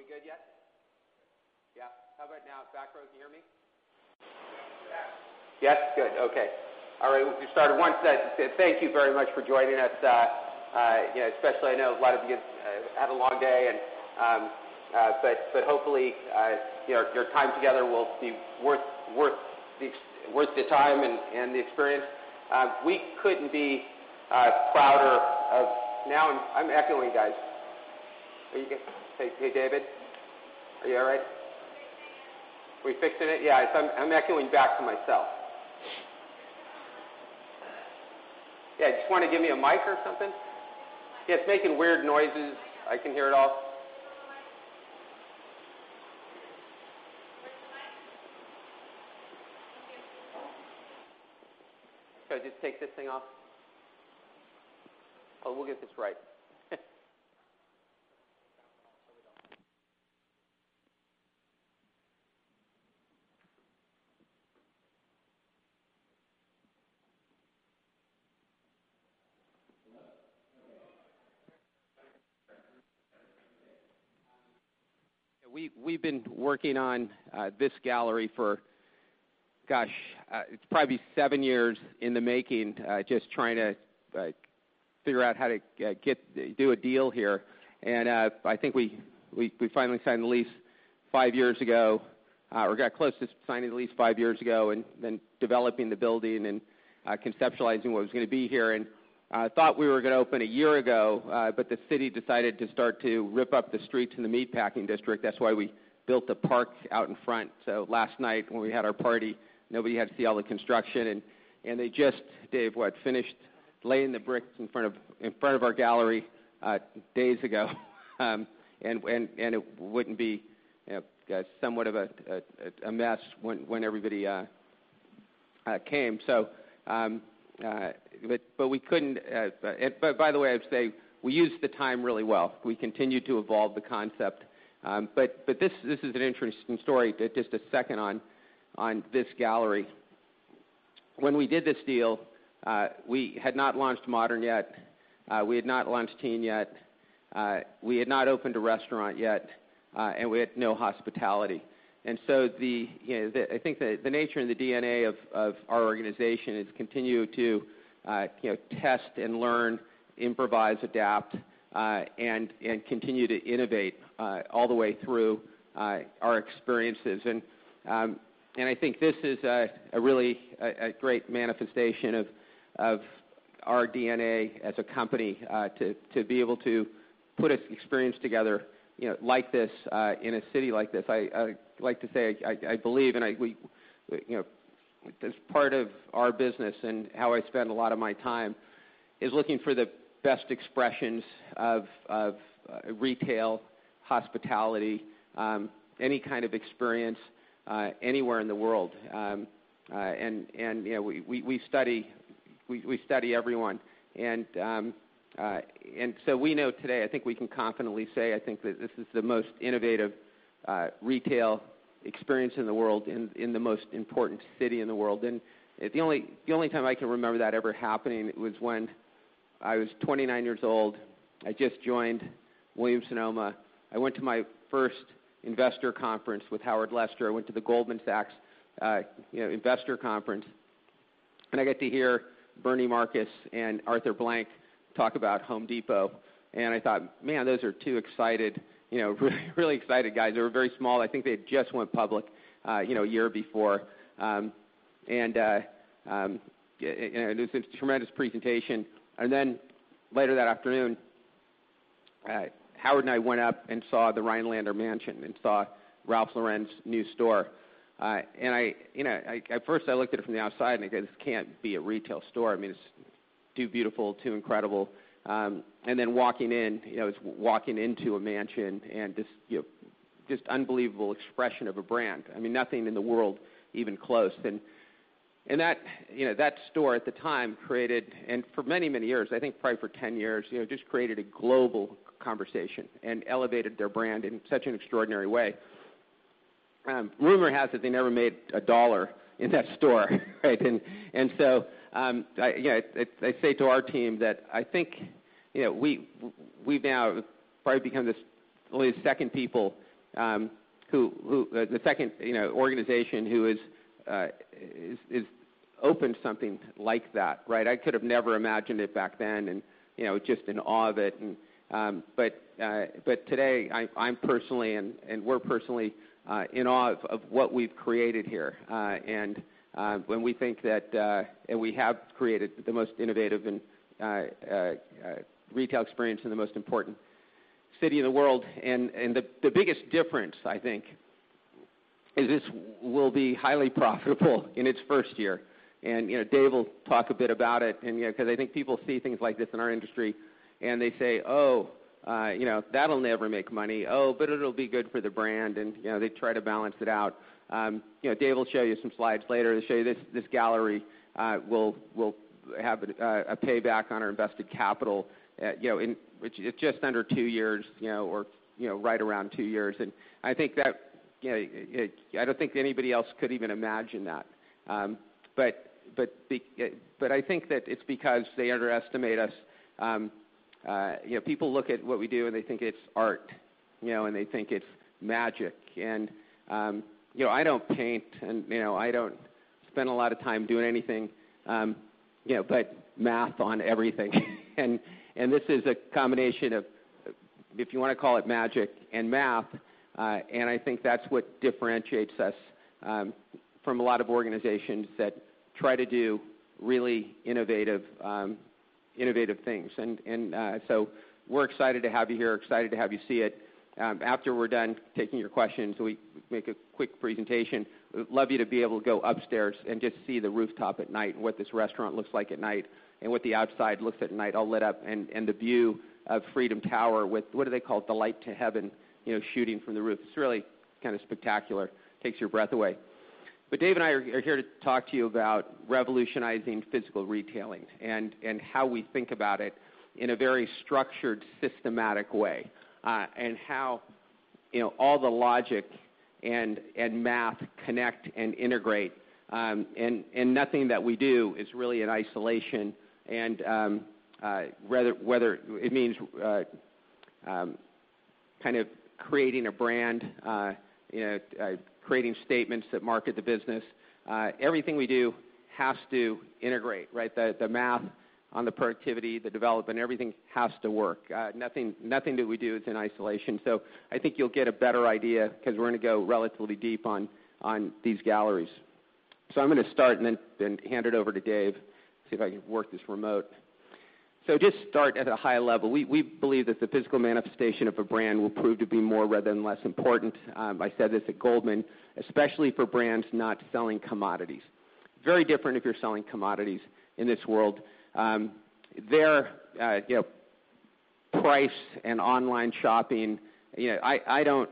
I usually do. Are we good yet? Yeah. How about now? Back row, can you hear me? Yes. Yes? Good. Okay. All right, we'll get started. One sec. Thank you very much for joining us, especially, I know a lot of you have had a long day, hopefully, your time together will be worth the time and the experience. We couldn't be prouder of Now I'm echoing, guys. Are you good? Hey, David, are you all right? Fixing it. We fixing it? Yeah. I'm echoing back to myself. Yeah, just want to give me a mic or something? Yeah, it's making weird noises. I can hear it all. Where's the mic? Just take this thing off? We'll get this right. We've been working on this gallery for, it's probably seven years in the making, just trying to figure out how to do a deal here. I think we finally signed the lease five years ago or got close to signing the lease five years ago, developing the building and conceptualizing what was going to be here. Thought we were going to open a year ago, but the city decided to start to rip up the streets in the Meatpacking District. That's why we built the park out in front. Last night when we had our party, nobody had to see all the construction, and they just, Dave, what? Finished laying the bricks in front of our gallery days ago. It wouldn't be somewhat of a mess when everybody came. By the way, I'd say we used the time really well. We continued to evolve the concept. This is an interesting story, just a second on this gallery. When we did this deal, we had not launched Modern yet. We had not launched Teen yet. We had not opened a restaurant yet, and we had no hospitality. I think the nature and the DNA of our organization is continue to test and learn, improvise, adapt, and continue to innovate all the way through our experiences. I think this is a really great manifestation of our DNA as a company to be able to put an experience together like this, in a city like this. I like to say, I believe, as part of our business and how I spend a lot of my time, is looking for the best expressions of retail, hospitality, any kind of experience anywhere in the world. We study everyone. We know today, I think we can confidently say, I think that this is the most innovative retail experience in the world in the most important city in the world. The only time I can remember that ever happening was when I was 29 years old. I just joined Williams-Sonoma. I went to my first investor conference with Howard Lester. I went to the Goldman Sachs investor conference, and I got to hear Bernie Marcus and Arthur Blank talk about Home Depot, and I thought, "Man, those are two really excited guys." They were very small. I think they had just went public a year before. It was a tremendous presentation. Later that afternoon, Howard and I went up and saw the Rhinelander Mansion and saw Ralph Lauren's new store. At first I looked at it from the outside and I go, "This can't be a retail store." It's too beautiful, too incredible. Walking in, it's walking into a mansion and just unbelievable expression of a brand. Nothing in the world even close. That store, at the time, created for many, many years, I think probably for 10 years, just created a global conversation and elevated their brand in such an extraordinary way. Rumor has it they never made a dollar in that store, right? So, I say to our team that I think we've now probably become the second organization who has opened something like that, right? I could've never imagined it back then and just in awe of it. Today, I'm personally, and we're personally in awe of what we've created here. We think that we have created the most innovative retail experience in the most important city in the world. The biggest difference, I think, is this will be highly profitable in its first year. Dave will talk a bit about it because I think people see things like this in our industry and they say, "Oh, that'll never make money. Oh, but it'll be good for the brand," and they try to balance it out. Dave will show you some slides later to show you this gallery will have a payback on our invested capital in just under 2 years or right around 2 years. I don't think anybody else could even imagine that. I think that it's because they underestimate us People look at what we do and they think it's art, and they think it's magic. I don't paint, and I don't spend a lot of time doing anything, but math on everything. This is a combination of, if you want to call it magic and math, and I think that's what differentiates us from a lot of organizations that try to do really innovative things. So we're excited to have you here, excited to have you see it. After we're done taking your questions, we make a quick presentation. We'd love you to be able to go upstairs and just see the rooftop at night and what this restaurant looks like at night, and what the outside looks at night all lit up, and the view of Freedom Tower with, what do they call it? The light to heaven, shooting from the roof. It's really kind of spectacular, takes your breath away. Dave and I are here to talk to you about revolutionizing physical retailing and how we think about it in a very structured, systematic way. How all the logic and math connect and integrate, and nothing that we do is really in isolation and whether it means kind of creating a brand, creating statements that market the business. Everything we do has to integrate, right? The math on the productivity, the development, everything has to work. Nothing that we do is in isolation. I think you'll get a better idea because we're going to go relatively deep on these galleries. I'm going to start and then hand it over to Dave, see if I can work this remote. Just start at a high level. We believe that the physical manifestation of a brand will prove to be more rather than less important, I said this at Goldman, especially for brands not selling commodities. Very different if you're selling commodities in this world. There, price and online shopping, I don't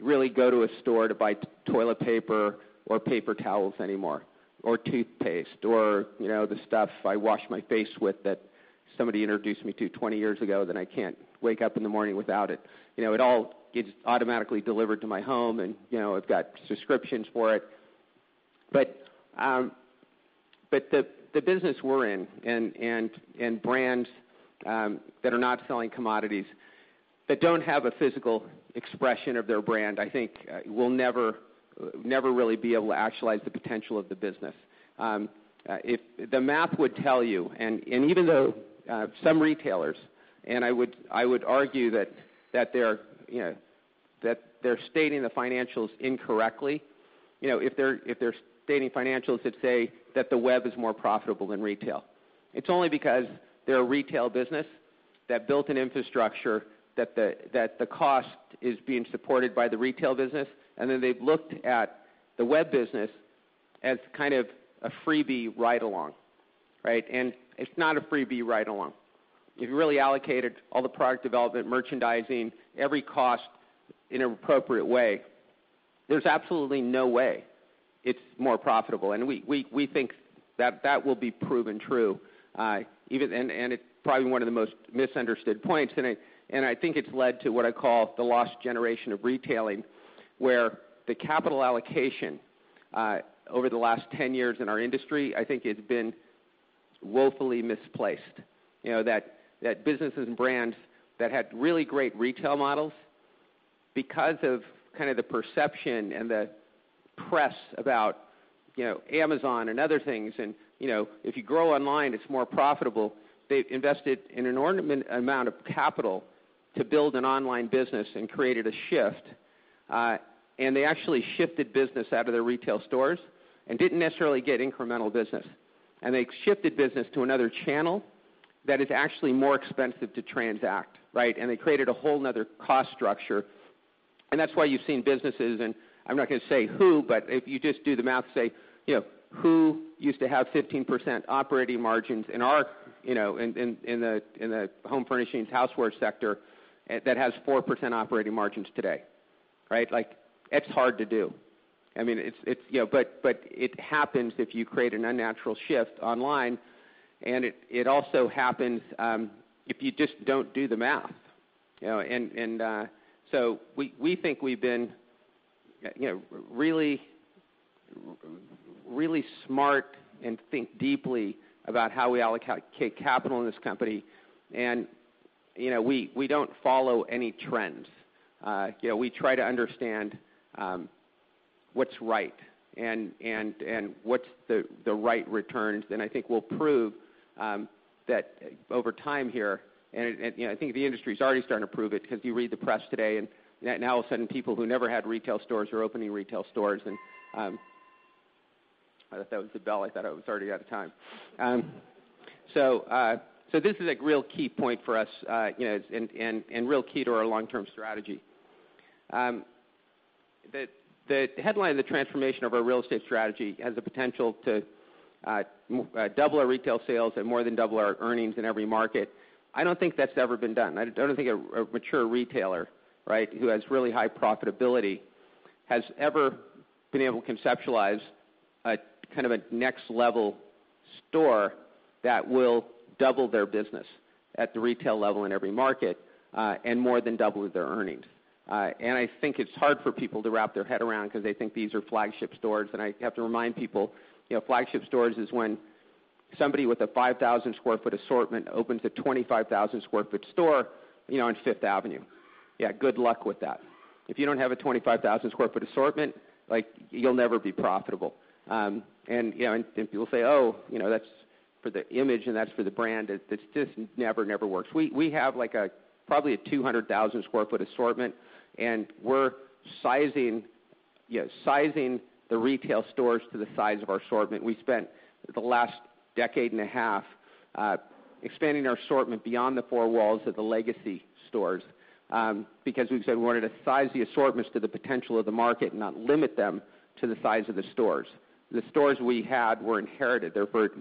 really go to a store to buy toilet paper or paper towels anymore, or toothpaste or the stuff I wash my face with that somebody introduced me to 20 years ago that I can't wake up in the morning without it. It all gets automatically delivered to my home, and I've got subscriptions for it. The business we're in and brands that are not selling commodities that don't have a physical expression of their brand, I think will never really be able to actualize the potential of the business. If the math would tell you, and even though some retailers, and I would argue that they're stating the financials incorrectly, if they're stating financials that say that the web is more profitable than retail, it's only because they're a retail business that built an infrastructure that the cost is being supported by the retail business, and then they've looked at the web business as kind of a freebie ride-along. Right? It's not a freebie ride-along. If you really allocated all the product development, merchandising, every cost in an appropriate way, there's absolutely no way it's more profitable. We think that will be proven true, and it's probably one of the most misunderstood points. I think it's led to what I call the lost generation of retailing, where the capital allocation, over the last 10 years in our industry, I think has been woefully misplaced. That businesses and brands that had really great retail models, because of kind of the perception and the press about Amazon and other things, and if you grow online, it's more profitable, they've invested an inordinate amount of capital to build an online business and created a shift. They actually shifted business out of their retail stores and didn't necessarily get incremental business, and they shifted business to another channel that is actually more expensive to transact, right? They created a whole another cost structure. That's why you've seen businesses, and I'm not going to say who, but if you just do the math, say, who used to have 15% operating margins in the home furnishings, housewares sector that has 4% operating margins today, right? That's hard to do. It happens if you create an unnatural shift online, and it also happens if you just don't do the math. We think we've been really smart and think deeply about how we allocate capital in this company. We don't follow any trends. We try to understand what's right and what's the right returns, then I think we'll prove that over time here, and I think the industry's already starting to prove it because you read the press today, and now all of a sudden, people who never had retail stores are opening retail stores. I thought that was the bell. I thought I was already out of time. This is a real key point for us, and real key to our long-term strategy. The headline of the transformation of our real estate strategy has the potential to double our retail sales and more than double our earnings in every market. I don't think that's ever been done. I don't think a mature retailer who has really high profitability has ever been able to conceptualize a kind of next-level store that will double their business at the retail level in every market, and more than double their earnings. I think it's hard for people to wrap their head around because they think these are flagship stores. I have to remind people, flagship stores is when somebody with a 5,000 sq ft assortment opens a 25,000 sq ft store on Fifth Avenue. Yeah, good luck with that. If you don't have a 25,000 sq ft assortment, you'll never be profitable. People say, "Oh, that's for the image, and that's for the brand." It just never works. We have probably a 200,000 sq ft assortment, and we're sizing the retail stores to the size of our assortment. We spent the last decade and a half expanding our assortment beyond the four walls of the legacy stores, because we've said we wanted to size the assortments to the potential of the market, not limit them to the size of the stores. The stores we had were inherited. They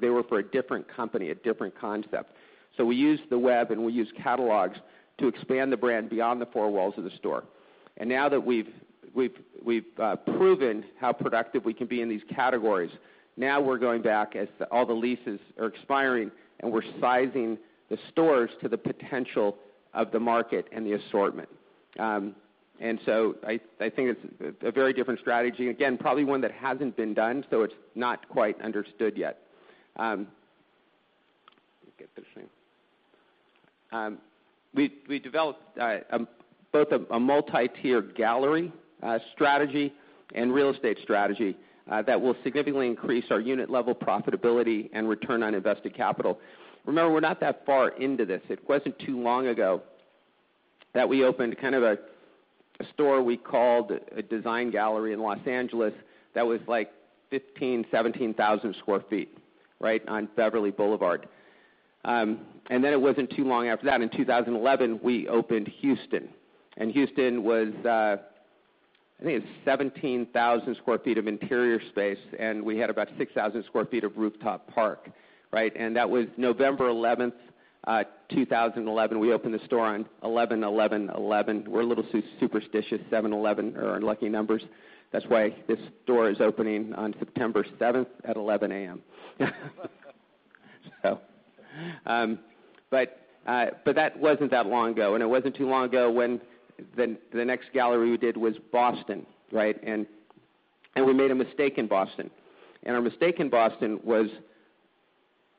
were for a different company, a different concept. We used the web, and we used catalogs to expand the brand beyond the four walls of the store. Now that we've proven how productive we can be in these categories, now we're going back as all the leases are expiring, and we're sizing the stores to the potential of the market and the assortment. I think it's a very different strategy, again, probably one that hasn't been done, so it's not quite understood yet. Let me get this thing. We developed both a multi-tiered gallery strategy and real estate strategy that will significantly increase our unit level profitability and return on invested capital. Remember, we're not that far into this. It wasn't too long ago that we opened a store we called a design gallery in L.A. that was like 15,000, 17,000 sq ft right on Beverly Boulevard. It wasn't too long after that, in 2011, we opened Houston. Houston was, I think it's 17,000 sq ft of interior space, and we had about 6,000 sq ft of rooftop park. That was November 11, 2011. We opened the store on 11/11/11. We're a little superstitious, 7-Eleven are our lucky numbers. That's why this store is opening on September 7 at 11:00 A.M. That wasn't that long ago, and it wasn't too long ago when the next gallery we did was Boston. We made a mistake in Boston. Our mistake in Boston was,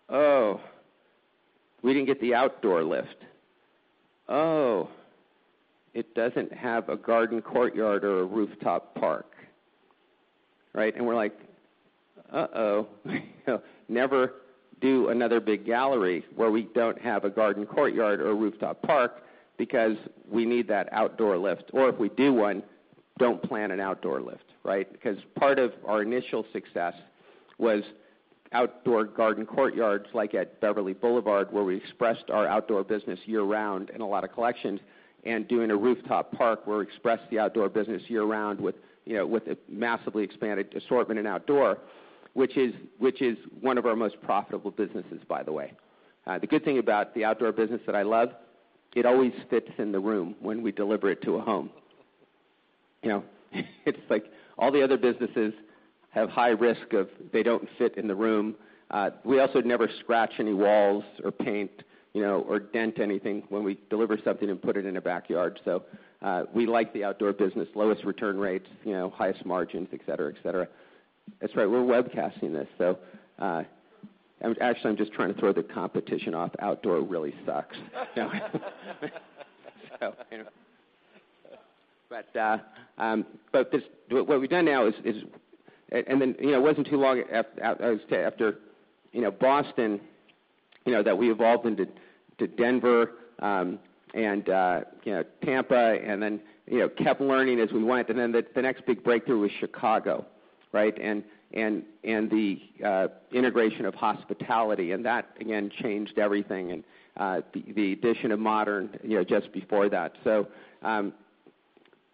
oh, we didn't get the outdoor lift. Oh, it doesn't have a garden courtyard or a rooftop park. We're like, uh-oh. Never do another big gallery where we don't have a garden courtyard or a rooftop park because we need that outdoor lift. Or if we do one, don't plan an outdoor lift. Part of our initial success was outdoor garden courtyards, like at Beverly Boulevard, where we expressed our outdoor business year-round in a lot of collections, and doing a rooftop park where we expressed the outdoor business year-round with a massively expanded assortment in outdoor, which is one of our most profitable businesses, by the way. The good thing about the outdoor business that I love, it always fits in the room when we deliver it to a home. It's like all the other businesses have high risk of they don't fit in the room. We also never scratch any walls or paint, or dent anything when we deliver something and put it in a backyard. We like the outdoor business. Lowest return rates, highest margins, et cetera. That's right, we're webcasting this. Actually, I'm just trying to throw the competition off. Outdoor really sucks. What we've done now is. It wasn't too long after Boston that we evolved into Denver and Tampa, and then kept learning as we went. The next big breakthrough was Chicago and the integration of hospitality. That, again, changed everything, and the addition of Modern just before that.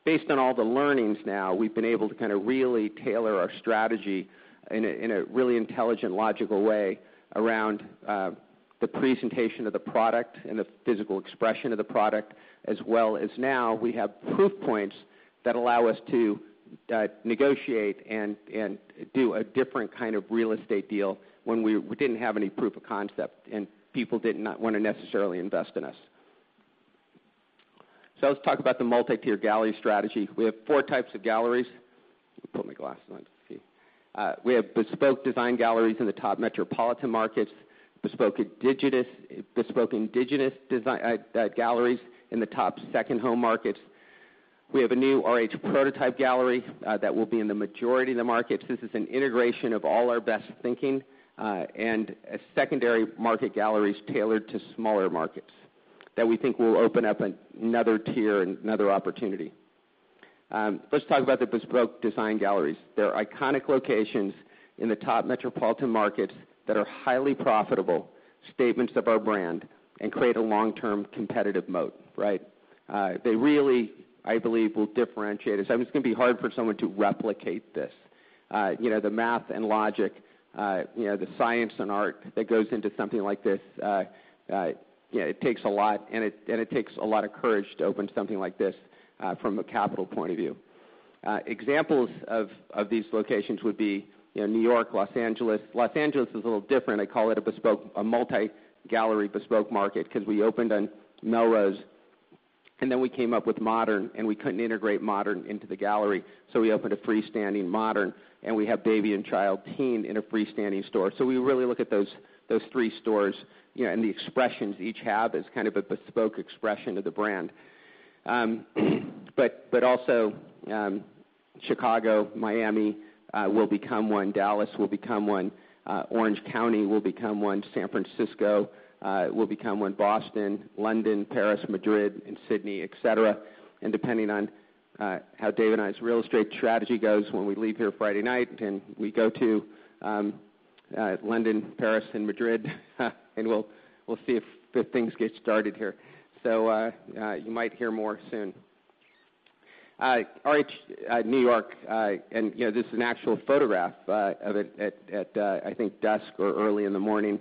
Based on all the learnings now, we've been able to kind of really tailor our strategy in a really intelligent, logical way around the presentation of the product and the physical expression of the product, as well as now we have proof points that allow us to negotiate and do a different kind of real estate deal when we didn't have any proof of concept, and people did not want to necessarily invest in us. Let's talk about the multi-tier gallery strategy. We have four types of galleries. Let me put my glasses on to see. We have bespoke design galleries in the top metropolitan markets, bespoke indigenous design galleries in the top second-home markets. We have a new RH prototype gallery that will be in the majority of the markets. This is an integration of all our best thinking. Secondary market galleries tailored to smaller markets that we think will open up another tier and another opportunity. Let's talk about the bespoke design galleries. They're iconic locations in the top metropolitan markets that are highly profitable, statements of our brand, and create a long-term competitive moat. They really, I believe, will differentiate us. It's going to be hard for someone to replicate this. The math and logic, the science and art that goes into something like this, it takes a lot, and it takes a lot of courage to open something like this from a capital point of view. Examples of these locations would be New York, Los Angeles. Los Angeles is a little different. I call it a multi-gallery bespoke market because we opened on Melrose. We came up with Modern, and we couldn't integrate Modern into the gallery, so we opened a freestanding Modern, and we have Baby and Child Teen in a freestanding store. We really look at those three stores, and the expressions each have as kind of a bespoke expression of the brand. Also Chicago, Miami will become one. Dallas will become one. Orange County will become one. San Francisco will become one. Boston, London, Paris, Madrid, and Sydney, et cetera. Depending on how Dave and I's real estate strategy goes when we leave here Friday night and we go to London, Paris, and Madrid, we'll see if things get started here. You might hear more soon. RH New York, this is an actual photograph of it at, I think dusk or early in the morning.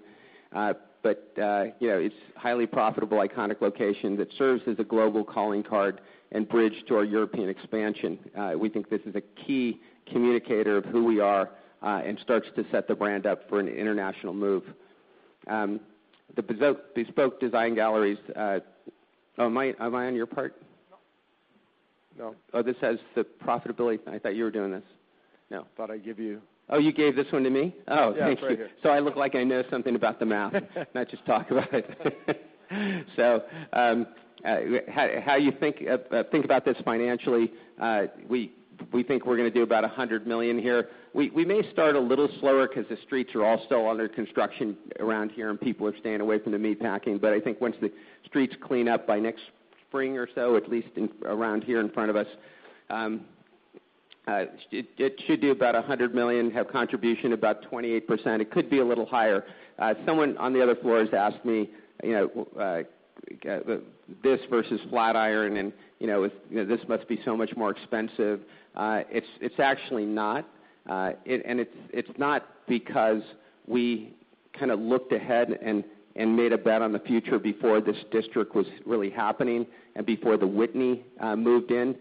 It's highly profitable, iconic location that serves as a global calling card and bridge to our European expansion. We think this is a key communicator of who we are and starts to set the brand up for an international move. The bespoke design galleries Oh, am I on your part? No. Oh, this has the profitability. I thought you were doing this. No. Thought I'd give you- Oh, you gave this one to me? Oh, thank you. Yeah. It's right here. I look like I know something about the math. Not just talk about it. How you think about this financially, we think we're going to do about $100 million here. We may start a little slower because the streets are all still under construction around here, and people are staying away from the Meatpacking. I think once the streets clean up by next spring or so, at least around here in front of us, it should do about $100 million, have contribution about 28%. It could be a little higher. Someone on the other floor has asked me, this versus Flatiron, and this must be so much more expensive. It's actually not. It's not because we kind of looked ahead and made a bet on the future before this district was really happening and before the Whitney moved in.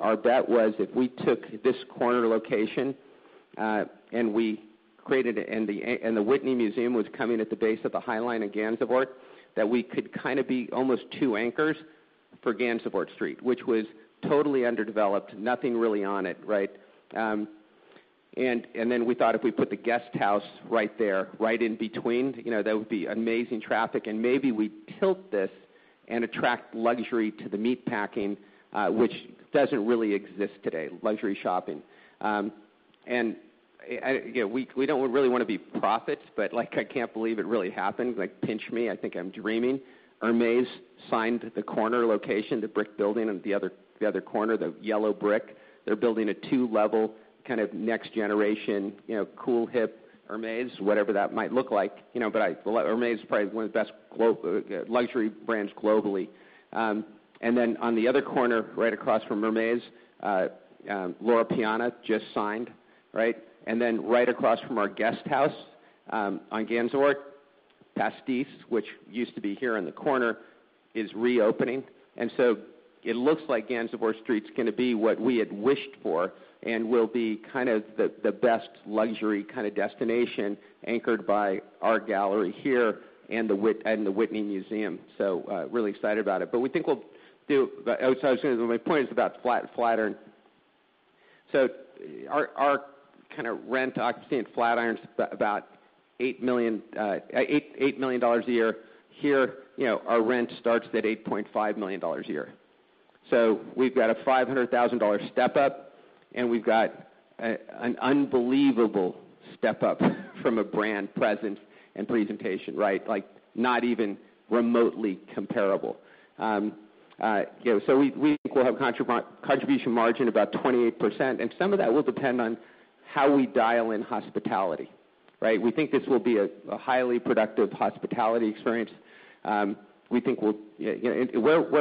Our bet was if we took this corner location, and the Whitney Museum was coming at the base of the High Line and Gansevoort, that we could kind of be almost two anchors for Gansevoort Street, which was totally underdeveloped, nothing really on it, right? Then we thought if we put the guest house right there, right in between, there would be amazing traffic, and maybe we tilt this and attract luxury to the Meatpacking, which doesn't really exist today, luxury shopping. Again, we don't really want to be prophets, but like I can't believe it really happened. Like pinch me, I think I'm dreaming. Hermès signed the corner location, the brick building on the other corner, the yellow brick. They're building a two-level kind of next generation, cool hip Hermès, whatever that might look like. Hermès is probably one of the best luxury brands globally. On the other corner, right across from Hermès, Loro Piana just signed, right? Then right across from our guest house on Gansevoort, Pastis, which used to be here on the corner, is reopening. It looks like Gansevoort Street's going to be what we had wished for and will be kind of the best luxury destination anchored by our gallery here and the Whitney Museum. Really excited about it. My point is about Flatiron. Our kind of rent occupancy in Flatiron is about $8 million a year. Here, our rent starts at $8.5 million a year. We've got a $500,000 step-up, and we've got an unbelievable step-up from a brand presence and presentation, right? Like not even remotely comparable. We think we'll have contribution margin about 28%, and some of that will depend on how we dial in hospitality, right? We think this will be a highly productive hospitality experience. Where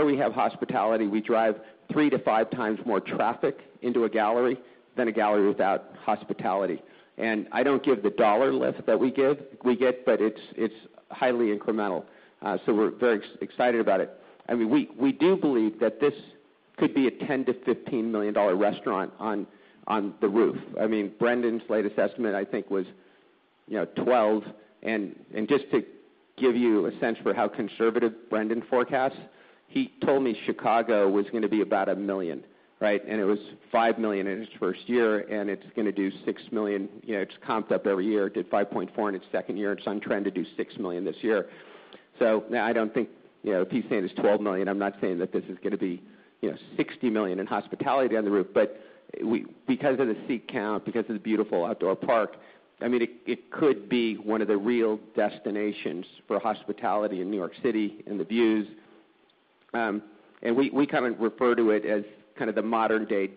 we have hospitality, we drive 3 to 5 times more traffic into a gallery than a gallery without hospitality. I don't give the dollar lift that we get, but it's highly incremental. We're very excited about it. We do believe that this could be a $10 million-$15 million restaurant on the roof. Brendan's latest estimate, I think, was 12. Just to give you a sense for how conservative Brendan forecasts, he told me Chicago was going to be about $1 million, right? It was $5 million in its first year, and it's going to do $6 million. It's comped up every year. It did $5.4 million in its second year. It's on trend to do $6 million this year. Now I don't think if he's saying it's $12 million, I'm not saying that this is going to be $60 million in hospitality on the roof, but because of the seat count, because of the beautiful outdoor park, it could be one of the real destinations for hospitality in New York City and the views. We kind of refer to it as kind of the modern-day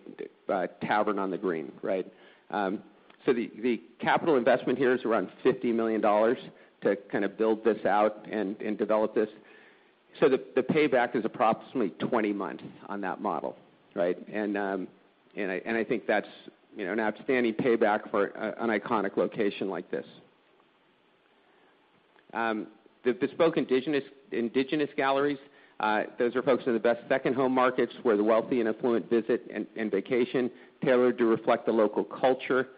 Tavern on the Green, right? The capital investment here is around $50 million to kind of build this out and develop this. The payback is approximately 20 months on that model, right? I think that's an outstanding payback for an iconic location like this. The Bespoke Indigenous Galleries, those are focused on the best second home markets where the wealthy and affluent visit and vacation, tailored to reflect the local culture.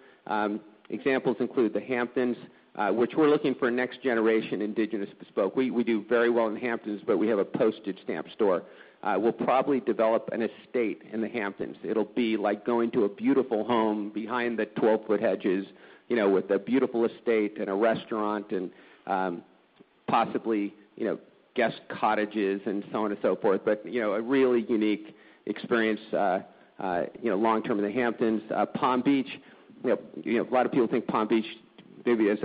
Examples include the Hamptons, which we're looking for next generation Indigenous Bespoke. We do very well in the Hamptons, but we have a postage stamp store. We'll probably develop an estate in the Hamptons. It'll be like going to a beautiful home behind the 12-foot hedges, with a beautiful estate and a restaurant and possibly guest cottages and so on and so forth. A really unique experience, long-term in the Hamptons. Palm Beach, a lot of people think Palm Beach maybe as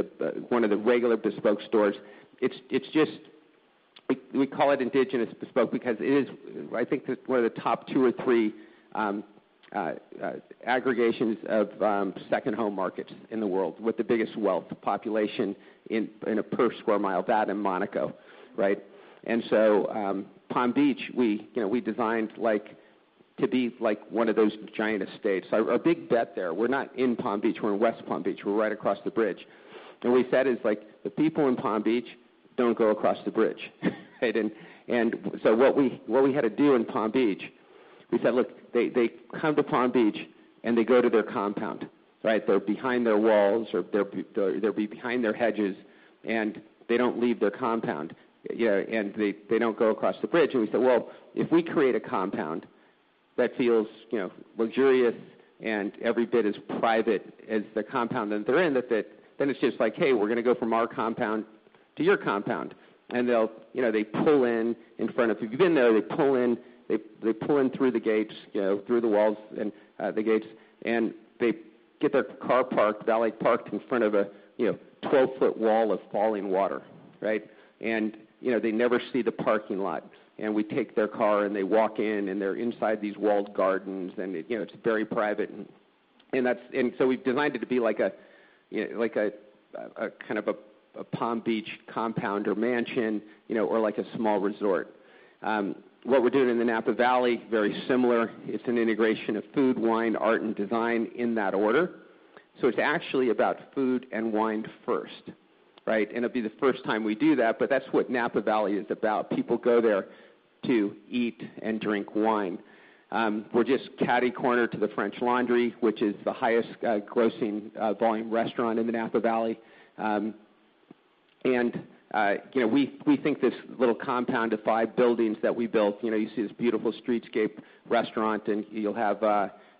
one of the regular Bespoke stores. We call it Indigenous Bespoke because it is, I think, one of the top two or three aggregations of second home markets in the world with the biggest wealth population in a per square mile. That and Monaco. Palm Beach, we designed to be like one of those giant estates. Our big bet there, we're not in Palm Beach, we're in West Palm Beach. We're right across the bridge. We said, the people in Palm Beach don't go across the bridge, right? What we had to do in Palm Beach, we said, look, they come to Palm Beach and they go to their compound, right? They're behind their walls or they'll be behind their hedges, and they don't leave their compound. They don't go across the bridge. We said, well, if we create a compound that feels luxurious and every bit as private as the compound that they're in, then it's just like, "Hey, we're going to go from our compound to your compound." If you've been there, they pull in through the gates, through the walls and the gates, and they get their car valet parked in front of a 12-foot wall of falling water. Right. They never see the parking lot. We take their car, and they walk in, and they're inside these walled gardens, and it's very private. We've designed it to be like a kind of a Palm Beach compound or mansion or like a small resort. What we're doing in the Napa Valley, very similar. It's an integration of food, wine, art, and design in that order. It's actually about food and wine first. Right. It'll be the first time we do that. That's what Napa Valley is about. People go there to eat and drink wine. We're just catty-corner to The French Laundry, which is the highest grossing volume restaurant in the Napa Valley. We think this little compound of five buildings that we built, you see this beautiful streetscape restaurant, and you'll have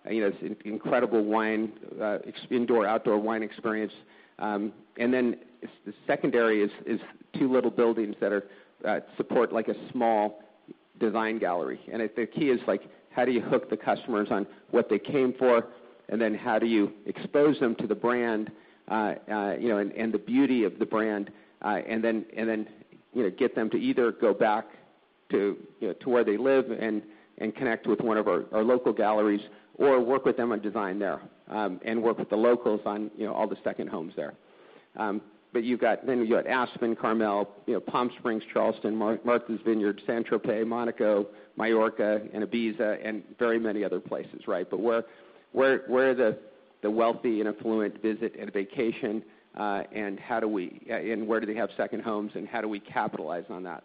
this incredible indoor/outdoor wine experience. Then the secondary is two little buildings that support a small design gallery. The key is how do you hook the customers on what they came for, and then how do you expose them to the brand and the beauty of the brand, and then get them to either go back to where they live and connect with one of our local galleries or work with them on design there. Work with the locals on all the second homes there. You've got Aspen, Carmel, Palm Springs, Charleston, Martha's Vineyard, Saint-Tropez, Monaco, Mallorca, and Ibiza, and very many other places, right. Where the wealthy and affluent visit and vacation, and where do they have second homes, and how do we capitalize on that?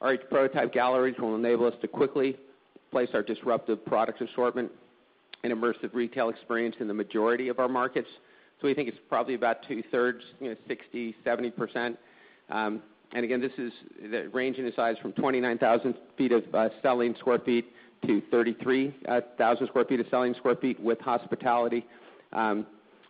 Our prototype galleries will enable us to quickly place our disruptive product assortment and immersive retail experience in the majority of our markets. We think it's probably about two-thirds, 60%, 70%. Again, this is ranging in size from 29,000 selling sq ft to 33,000 selling sq ft with hospitality.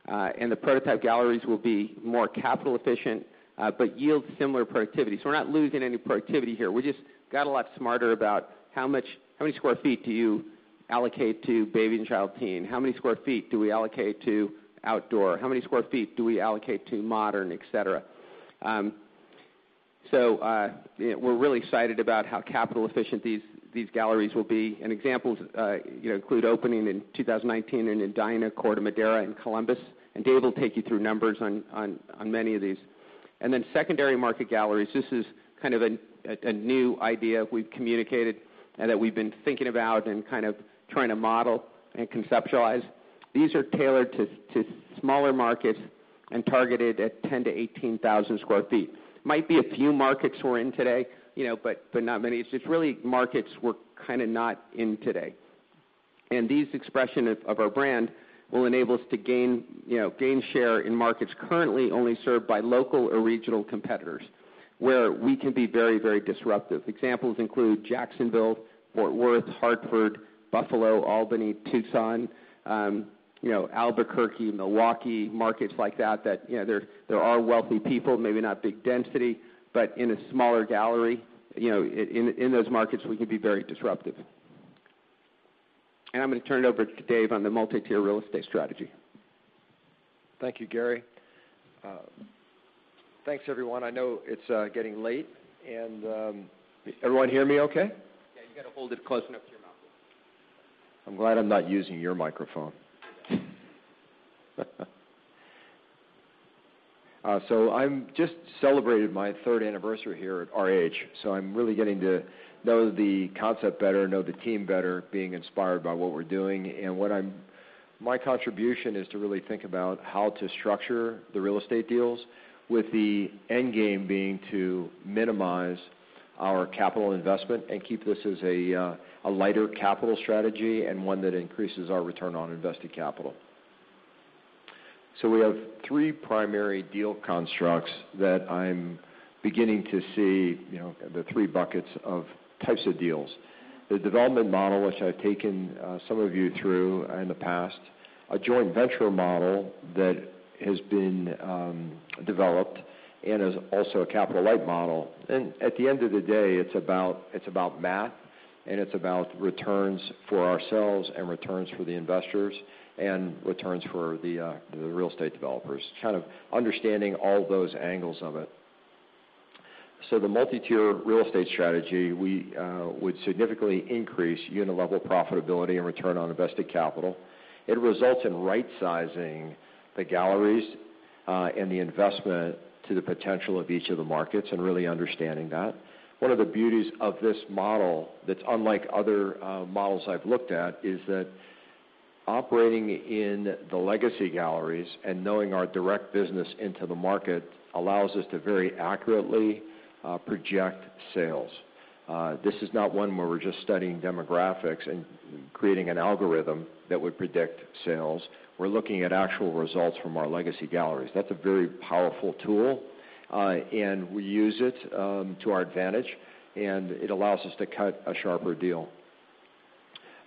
The prototype galleries will be more capital efficient but yield similar productivity. We're not losing any productivity here. We just got a lot smarter about how many sq ft do you allocate to RH Baby & Child, RH Teen. How many sq ft do we allocate to outdoor? How many sq ft do we allocate to RH Modern, et cetera. We're really excited about how capital efficient these galleries will be. Examples include opening in 2019 in Indiana, Corte Madera, and Columbus. Dave will take you through numbers on many of these. Then secondary market galleries. This is kind of a new idea we've communicated and that we've been thinking about and kind of trying to model and conceptualize. These are tailored to smaller markets and targeted at 10,000 to 18,000 sq ft. Might be a few markets we're in today but not many. It's just really markets we're kind of not in today. These expression of our brand will enable us to gain share in markets currently only served by local or regional competitors, where we can be very disruptive. Examples include Jacksonville, Fort Worth, Hartford, Buffalo, Albany, Tucson, Albuquerque, Milwaukee, markets like that there are wealthy people, maybe not big density, but in a smaller gallery, in those markets, we can be very disruptive. I'm going to turn it over to Dave on the multi-tier real estate strategy. Thank you, Gary. Thanks, everyone. I know it's getting late and Everyone hear me okay? Yeah, you got to hold it close enough to your mouth. I'm glad I'm not using your microphone. I just celebrated my third anniversary here at RH. I'm really getting to know the concept better, know the team better, being inspired by what we're doing. My contribution is to really think about how to structure the real estate deals with the end game being to minimize our capital investment and keep this as a capital-light strategy and one that increases our return on invested capital. We have three primary deal constructs that I'm beginning to see, the three buckets of types of deals. The development model, which I've taken some of you through in the past, a joint venture model that has been developed and is also a capital-light model. At the end of the day, it's about math, and it's about returns for ourselves and returns for the investors and returns for the real estate developers, kind of understanding all those angles of it. The multi-tier real estate strategy, we would significantly increase unit-level profitability and return on invested capital. It results in right-sizing the galleries and the investment to the potential of each of the markets and really understanding that. One of the beauties of this model that's unlike other models I've looked at is that operating in the legacy galleries and knowing our direct business into the market allows us to very accurately project sales. This is not one where we're just studying demographics and creating an algorithm that would predict sales. We're looking at actual results from our legacy galleries. That's a very powerful tool, and we use it to our advantage, and it allows us to cut a sharper deal.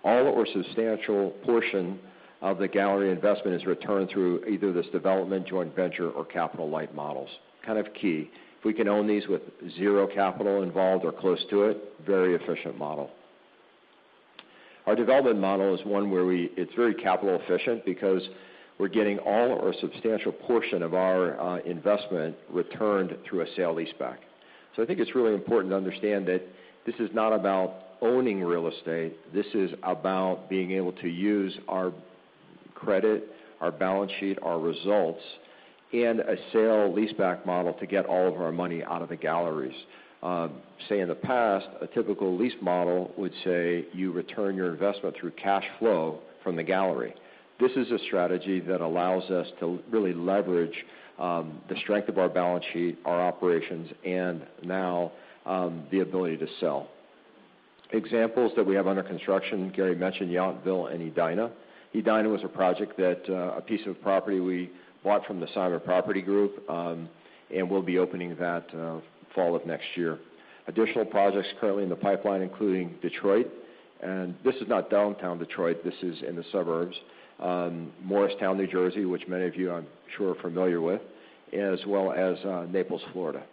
All or a substantial portion of the gallery investment is returned through either this development joint venture or capital-light models. Kind of key. If we can own these with zero capital involved or close to it, very efficient model. Our development model is one where it's very capital efficient because we're getting all or a substantial portion of our investment returned through a sale-leaseback. I think it's really important to understand that this is not about owning real estate. This is about being able to use our credit, our balance sheet, our results in a sale-leaseback model to get all of our money out of the galleries. Say, in the past, a typical lease model would say you return your investment through cash flow from the gallery. This is a strategy that allows us to really leverage the strength of our balance sheet, our operations, and now the ability to sell. Examples that we have under construction, Gary mentioned Yountville and Edina. Edina was a project that a piece of property we bought from the Simon Property Group, and we'll be opening that fall of next year. Additional projects currently in the pipeline, including Detroit. This is not downtown Detroit, this is in the suburbs. Morristown, New Jersey, which many of you I'm sure are familiar with, as well as Naples, Florida.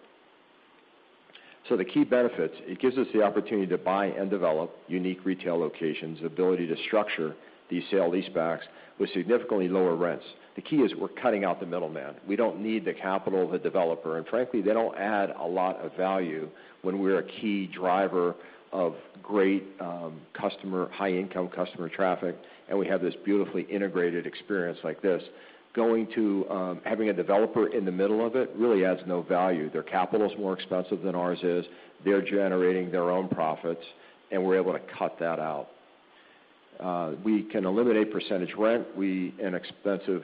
The key benefits, it gives us the opportunity to buy and develop unique retail locations, the ability to structure these sale-leasebacks with significantly lower rents. The key is we're cutting out the middleman. We don't need the capital of a developer, and frankly, they don't add a lot of value when we're a key driver of great high-income customer traffic, and we have this beautifully integrated experience like this. Having a developer in the middle of it really adds no value. Their capital is more expensive than ours is. They're generating their own profits, and we're able to cut that out. We can eliminate percentage rent, inexpensive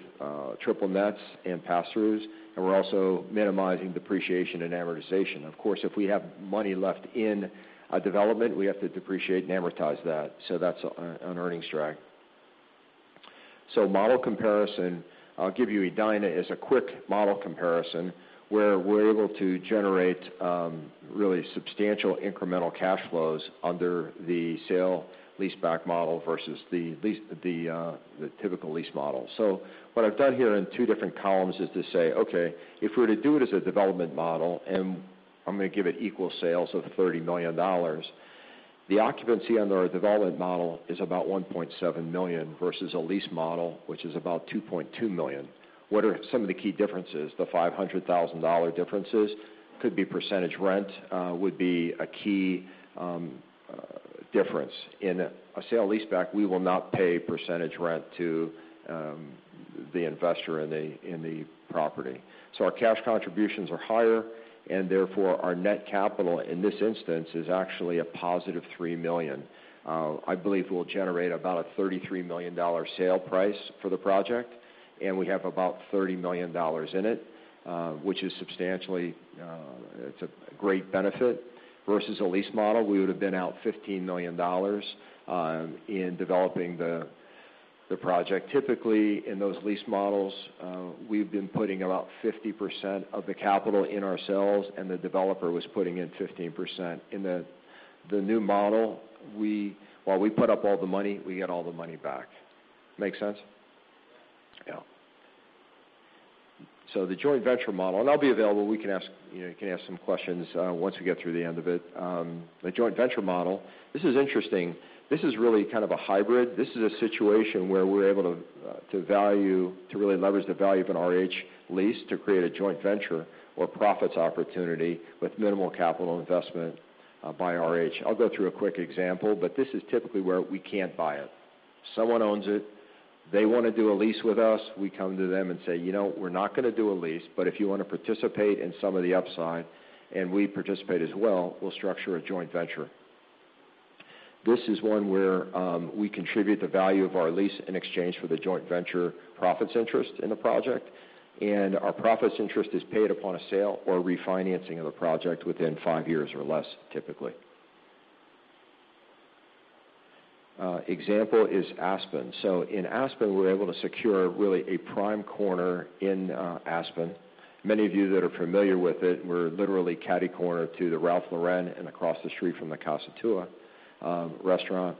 triple net, and pass-throughs, and we're also minimizing depreciation and amortization. Of course, if we have money left in a development, we have to depreciate and amortize that. That's an earnings drag. Model comparison, I'll give you Edina as a quick model comparison where we're able to generate really substantial incremental cash flows under the sale-leaseback model versus the typical lease model. What I've done here in two different columns is to say, if we were to do it as a development model, and I'm going to give it equal sales of $30 million, the occupancy under a development model is about $1.7 million versus a lease model, which is about $2.2 million. What are some of the key differences? The $500,000 differences could be percentage rent would be a key difference. In a sale-leaseback, we will not pay percentage rent to the investor in the property. Our cash contributions are higher, and therefore, our net capital in this instance is actually a positive $3 million. I believe we'll generate about a $33 million sale price for the project, and we have about $30 million in it, which is substantially a great benefit versus a lease model. We would've been out $15 million in developing the project. Typically, in those lease models, we've been putting about 50% of the capital in ourselves, and the developer was putting in 15%. In the new model, while we put up all the money, we get all the money back. Make sense? The joint venture model, and I'll be available. You can ask some questions once we get through the end of it. The joint venture model, this is interesting. This is really kind of a hybrid. This is a situation where we're able to really leverage the value of an RH lease to create a joint venture or profits opportunity with minimal capital investment by RH. I'll go through a quick example, but this is typically where we can't buy it. Someone owns it. They want to do a lease with us. We come to them and say, "You know, we're not going to do a lease, but if you want to participate in some of the upside, and we participate as well, we'll structure a joint venture." This is one where we contribute the value of our lease in exchange for the joint venture profits interest in the project, and our profits interest is paid upon a sale or refinancing of a project within five years or less, typically. An example is Aspen. In Aspen, we were able to secure really a prime corner in Aspen. Many of you that are familiar with it, we're literally catty-corner to the Ralph Lauren and across the street from the Casa Tua restaurant.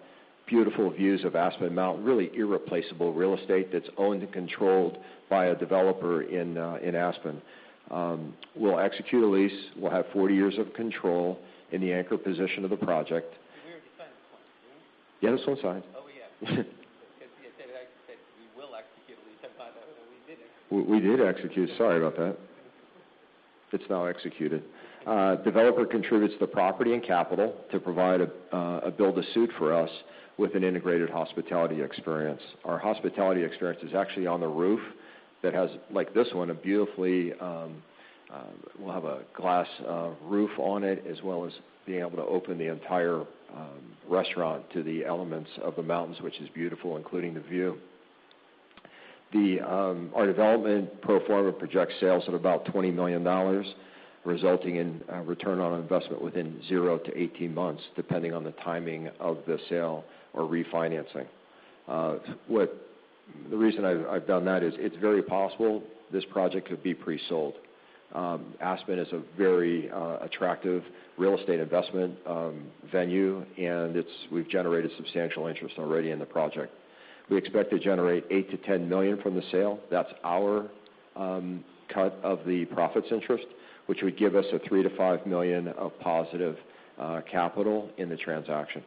Beautiful views of Aspen Mountain, really irreplaceable real estate that's owned and controlled by a developer in Aspen. We'll execute a lease. We'll have 40 years of control in the anchor position of the project. We already signed this one. Didn't we? Yes, this one's signed. Oh, yeah. David said, "We will execute a lease," and I thought, "No, we did execute. We did execute. Sorry about that. It's now executed. Developer contributes the property and capital to provide a build-to-suit for us with an integrated hospitality experience. Our hospitality experience is actually on the roof that has, like this one, a glass roof on it, as well as being able to open the entire restaurant to the elements of the mountains, which is beautiful, including the view. Our development pro forma projects sales of about $20 million, resulting in a return on investment within 0-18 months, depending on the timing of the sale or refinancing. The reason I've done that is it's very possible this project could be pre-sold. Aspen is a very attractive real estate investment venue, and we've generated substantial interest already in the project. We expect to generate $8 million-$10 million from the sale. That's our cut of the profits interest, which would give us a $3 million to $5 million of positive capital in the transaction.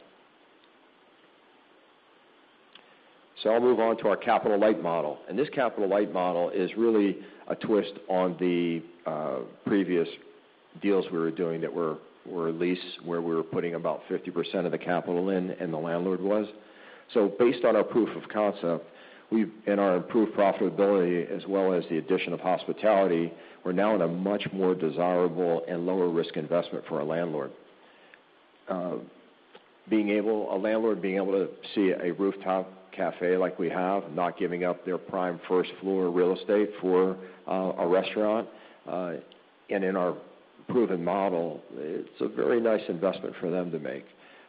I'll move on to our capital light model, this capital light model is really a twist on the previous deals we were doing that were a lease where we were putting about 50% of the capital in, and the landlord was. Based on our proof of concept and our improved profitability, as well as the addition of hospitality, we're now in a much more desirable and lower-risk investment for our landlord. A landlord being able to see a rooftop cafe like we have, not giving up their prime first-floor real estate for a restaurant, and in our proven model, it's a very nice investment for them to make.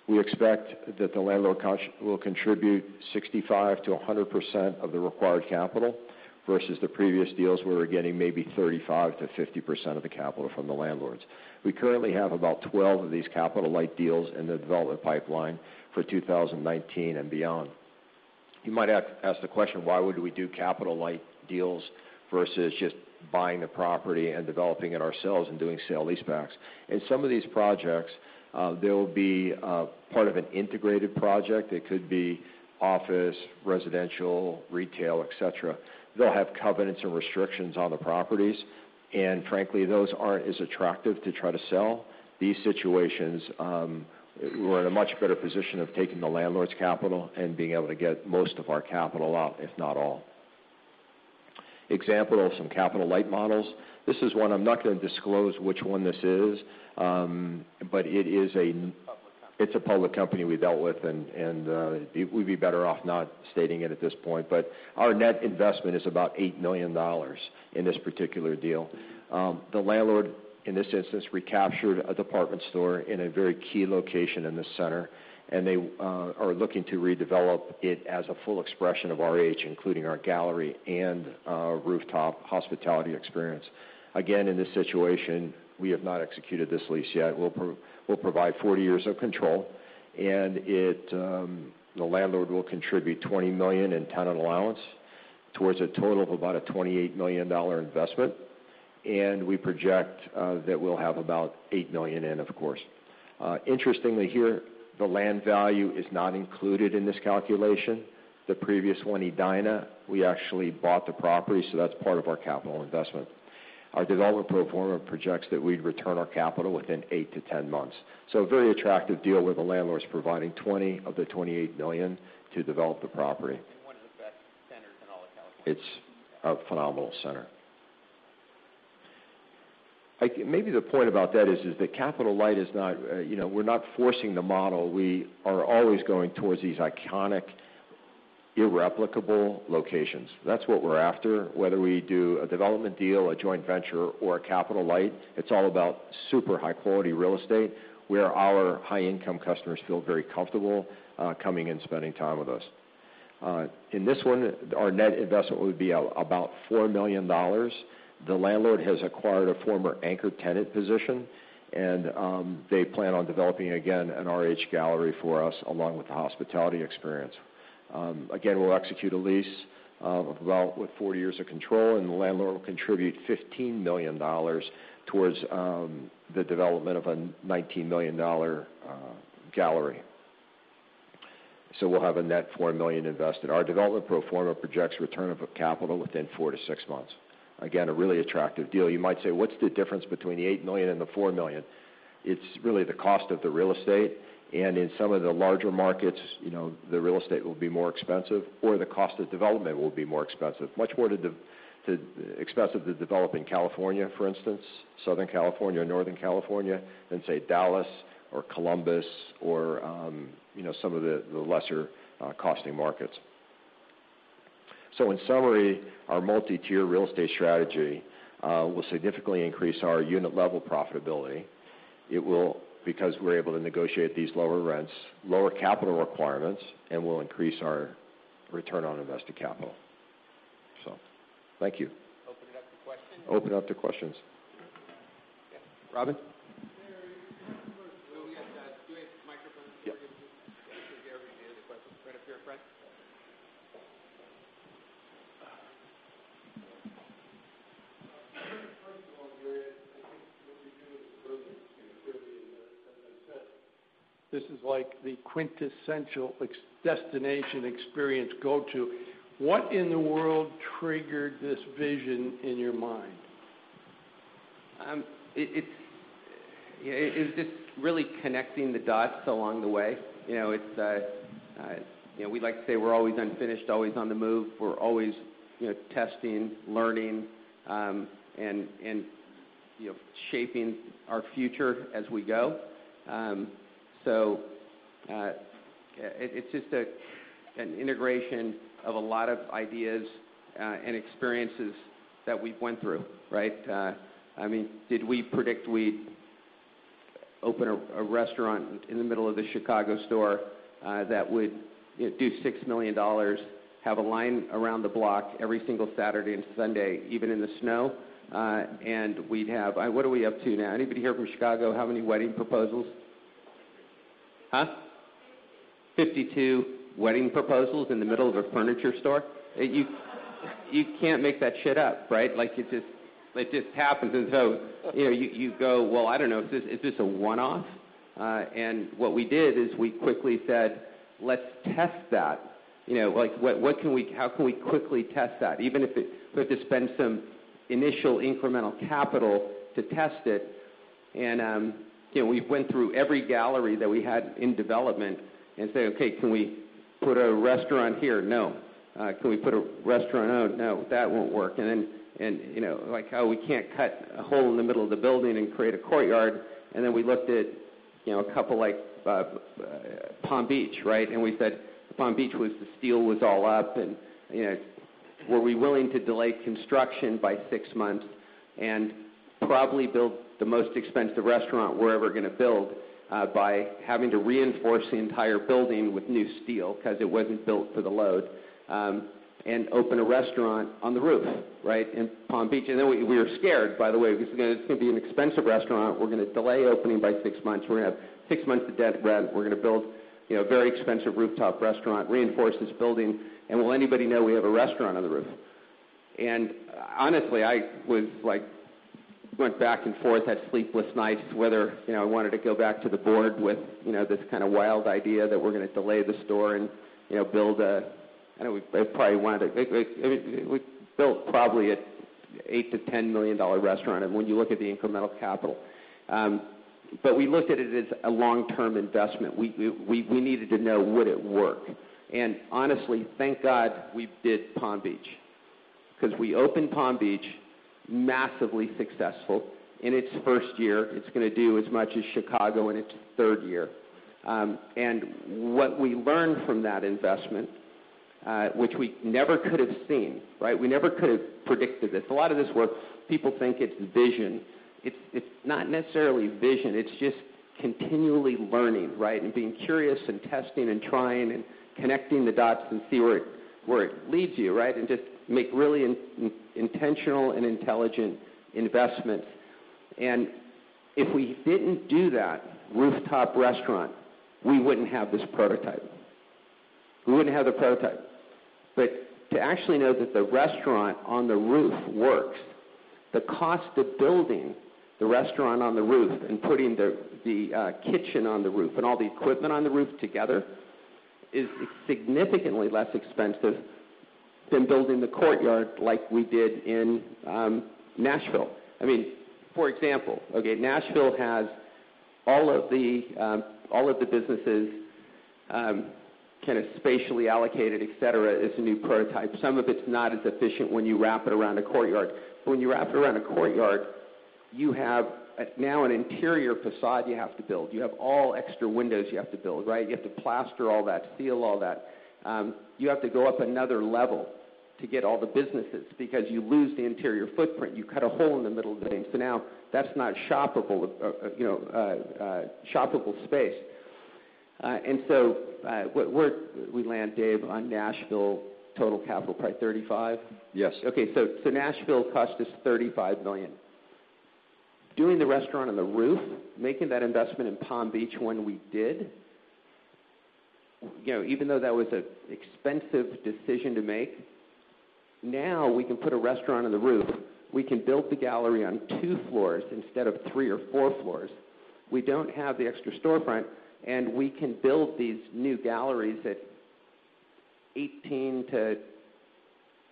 We expect that the landlord will contribute 65%-100% of the required capital, versus the previous deals, we were getting maybe 35%-50% of the capital from the landlords. We currently have about 12 of these capital light deals in the development pipeline for 2019 and beyond. You might ask the question, why would we do capital light deals versus just buying the property and developing it ourselves and doing sale-leasebacks? In some of these projects, they'll be part of an integrated project. It could be office, residential, retail, et cetera. They'll have covenants and restrictions on the properties, frankly, those aren't as attractive to try to sell. These situations, we're in a much better position of taking the landlord's capital and being able to get most of our capital out, if not all. Example of some capital light models. This is one I'm not going to disclose which one this is. It is a- Public company it's a public company we dealt with, and we'd be better off not stating it at this point. Our net investment is about $8 million in this particular deal. The landlord, in this instance, recaptured a department store in a very key location in the center, and they are looking to redevelop it as a full expression of RH, including our gallery and rooftop hospitality experience. In this situation, we have not executed this lease yet. We'll provide 40 years of control, and the landlord will contribute $20 million in tenant allowance towards a total of about a $28 million investment, and we project that we'll have about $8 million in, of course. Interestingly here, the land value is not included in this calculation. The previous one, Edina, we actually bought the property, so that's part of our capital investment. Our development pro forma projects that we'd return our capital within eight to 10 months. A very attractive deal where the landlord's providing $20 of the $28 million to develop the property. One of the best centers in all of California. It's a phenomenal center. Maybe the point about that is, that capital light, we're not forcing the model. We are always going towards these iconic, irreplicable locations. That's what we're after. Whether we do a development deal, a joint venture, or a capital light, it's all about super high-quality real estate where our high-income customers feel very comfortable coming and spending time with us. In this one, our net investment would be about $4 million. The landlord has acquired a former anchor tenant position, and they plan on developing an RH gallery for us, along with the hospitality experience. We'll execute a lease of about 40 years of control, and the landlord will contribute $15 million towards the development of a $19 million gallery. We'll have a net $4 million invested. Our development pro forma projects return of capital within four to six months. A really attractive deal. You might say, "What's the difference between the $8 million and the $4 million?" It's really the cost of the real estate, and in some of the larger markets, the real estate will be more expensive, or the cost of development will be more expensive. Much more expensive to develop in California, for instance, southern California or northern California, than, say, Dallas or Columbus or some of the lesser costing markets. In summary, our multi-tier real estate strategy will significantly increase our unit-level profitability. It will because we're able to negotiate these lower rents, lower capital requirements, and we'll increase our return on invested capital. Thank you. Open it up to questions? Open up to questions. Yeah. Robin? Gary, first. Oh, yes, do we have the microphone for Gary, please? Yep. Gary did a question right up here, Frank. First of all, Gary, I think what you're doing is really interesting. Clearly, as I said, this is like the quintessential destination experience go-to. What in the world triggered this vision in your mind? It's just really connecting the dots along the way. We like to say we're always unfinished, always on the move. We're always testing, learning, and shaping our future as we go. It's just an integration of a lot of ideas and experiences that we've went through, right? Did we predict we'd open a restaurant in the middle of the Chicago store that would do $6 million, have a line around the block every single Saturday and Sunday, even in the snow? What are we up to now? Anybody here from Chicago? How many wedding proposals? Huh? 52. 52 wedding proposals in the middle of a furniture store? You can't make that shit up, right? It just happens. You go, "Well, I don't know. Is this a one-off?" What we did is we quickly said, "Let's test that." How can we quickly test that? Even if we have to spend some initial incremental capital to test it, and we went through every gallery that we had in development and said, "Okay, can we put a restaurant here?" "No." "Can we put a restaurant Oh, no, that won't work." Like how we can't cut a hole in the middle of the building and create a courtyard. We looked at a couple like Palm Beach, right? We said Palm Beach was the steel was all up, and were we willing to delay construction by six months and probably build the most expensive restaurant we're ever going to build by having to reinforce the entire building with new steel because it wasn't built for the load, and open a restaurant on the roof, right, in Palm Beach. We were scared, by the way. This is going to be an expensive restaurant. We're going to delay opening by six months. We're going to have six months of dead rent. We're going to build a very expensive rooftop restaurant, reinforce this building, and will anybody know we have a restaurant on the roof? Honestly, I went back and forth, had sleepless nights whether I wanted to go back to the board with this kind of wild idea that we're going to delay the store and build a We built probably an $8 million-$10 million restaurant, and when you look at the incremental capital. We looked at it as a long-term investment. We needed to know would it work. Honestly, thank God we did Palm Beach because we opened Palm Beach massively successful in its first year. It's going to do as much as Chicago in its third year. What we learned from that investment, which we never could have seen, right? We never could have predicted this. A lot of this where people think it's vision, it's not necessarily vision. It's just continually learning, right, and being curious and testing and trying and connecting the dots and see where it leads you, right, and just make really intentional and intelligent investments. If we didn't do that rooftop restaurant, we wouldn't have this prototype. We wouldn't have the prototype. To actually know that the restaurant on the roof works, the cost of building the restaurant on the roof and putting the kitchen on the roof and all the equipment on the roof together is significantly less expensive than building the courtyard like we did in Nashville. For example, okay, Nashville has all of the businesses kind of spatially allocated, et cetera. It's a new prototype. Some of it's not as efficient when you wrap it around a courtyard. When you wrap it around a courtyard, you have now an interior façade you have to build. You have all extra windows you have to build, right? You have to plaster all that, seal all that. You have to go up another level to get all the businesses because you lose the interior footprint. You cut a hole in the middle of the thing. Now that's not shoppable space. Where'd we land, Dave, on Nashville total capital? Probably $35 million? Yes. Nashville cost us $35 million. Doing the restaurant on the roof, making that investment in Palm Beach when we did, even though that was an expensive decision to make. Now we can put a restaurant on the roof. We can build the gallery on two floors instead of three or four floors. We don't have the extra storefront, we can build these new galleries at $18 million to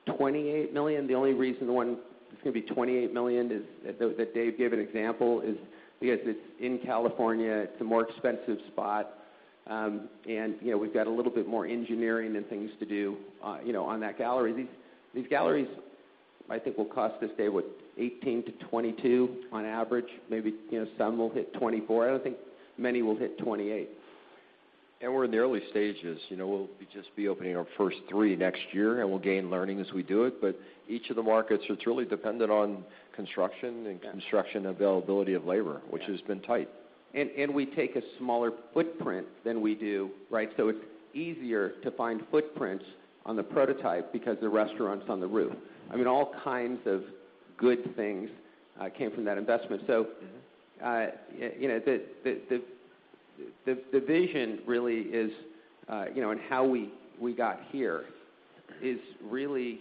$28 million. The only reason one is going to be $28 million is, that Dave gave an example is because it's in California, it's a more expensive spot. We've got a little bit more engineering and things to do on that gallery. These galleries, I think, will cost us, Dave, what, $18 million to $22 million on average, maybe some will hit $24 million. I don't think many will hit $28 million. We're in the early stages. We'll just be opening our first three next year, we'll gain learning as we do it. Each of the markets, it's really dependent on construction and construction availability of labor, which has been tight. We take a smaller footprint than we do, right? It's easier to find footprints on the prototype because the restaurant's on the roof. I mean, all kinds of good things came from that investment. The vision really is, and how we got here, is really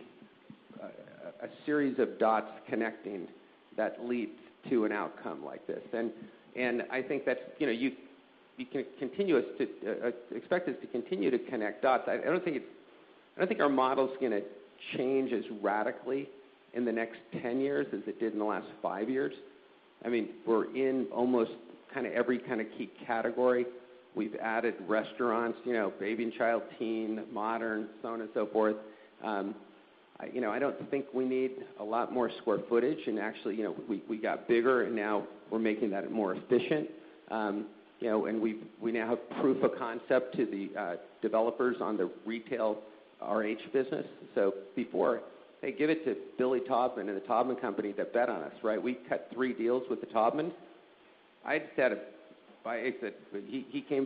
a series of dots connecting that leads to an outcome like this. I think that you can expect us to continue to connect dots. I don't think our model's going to change as radically in the next 10 years as it did in the last five years. We're in almost every kind of key category. We've added restaurants, Baby & Child, Teen, Modern, so on and so forth. I don't think we need a lot more square footage, and actually, we got bigger, and now we're making that more efficient. We now have proof of concept to the developers on the retail RH business. So before, hey, give it to Billy Taubman and The Taubman Company that bet on us, right? We cut three deals with The Taubman. He came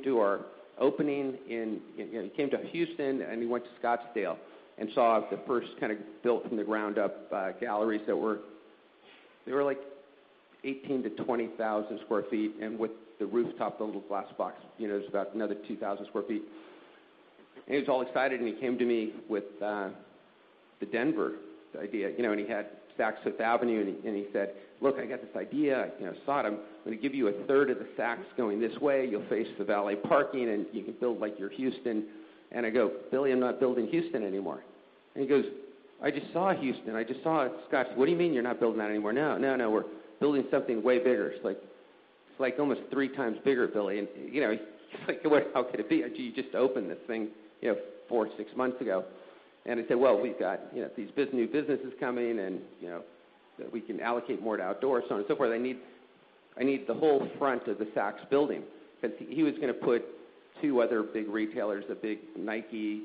to Houston, and he went to Scottsdale and saw the first kind of built-from-the-ground-up galleries that were like 18,000 to 20,000 square feet, and with the rooftop, the little glass box, it was about another 2,000 square feet. He was all excited, and he came to me with the Denver idea, and he had Saks Fifth Avenue, and he said, "Look, I got this idea. I saw it. I'm going to give you a third of the Saks going this way. You'll face the valet parking, and you can build like your Houston." I go, "Billy, I'm not building Houston anymore." He goes, "I just saw Houston. I just saw Scottsdale. What do you mean you're not building that anymore?" "No, we're building something way bigger. It's like almost three times bigger, Billy." He's like, "How could it be? You just opened this thing four to six months ago." I said, "Well, we've got these new businesses coming, and we can allocate more to outdoor, so on and so forth. I need the whole front of the Saks building." Because he was going to put two other big retailers, a big Nike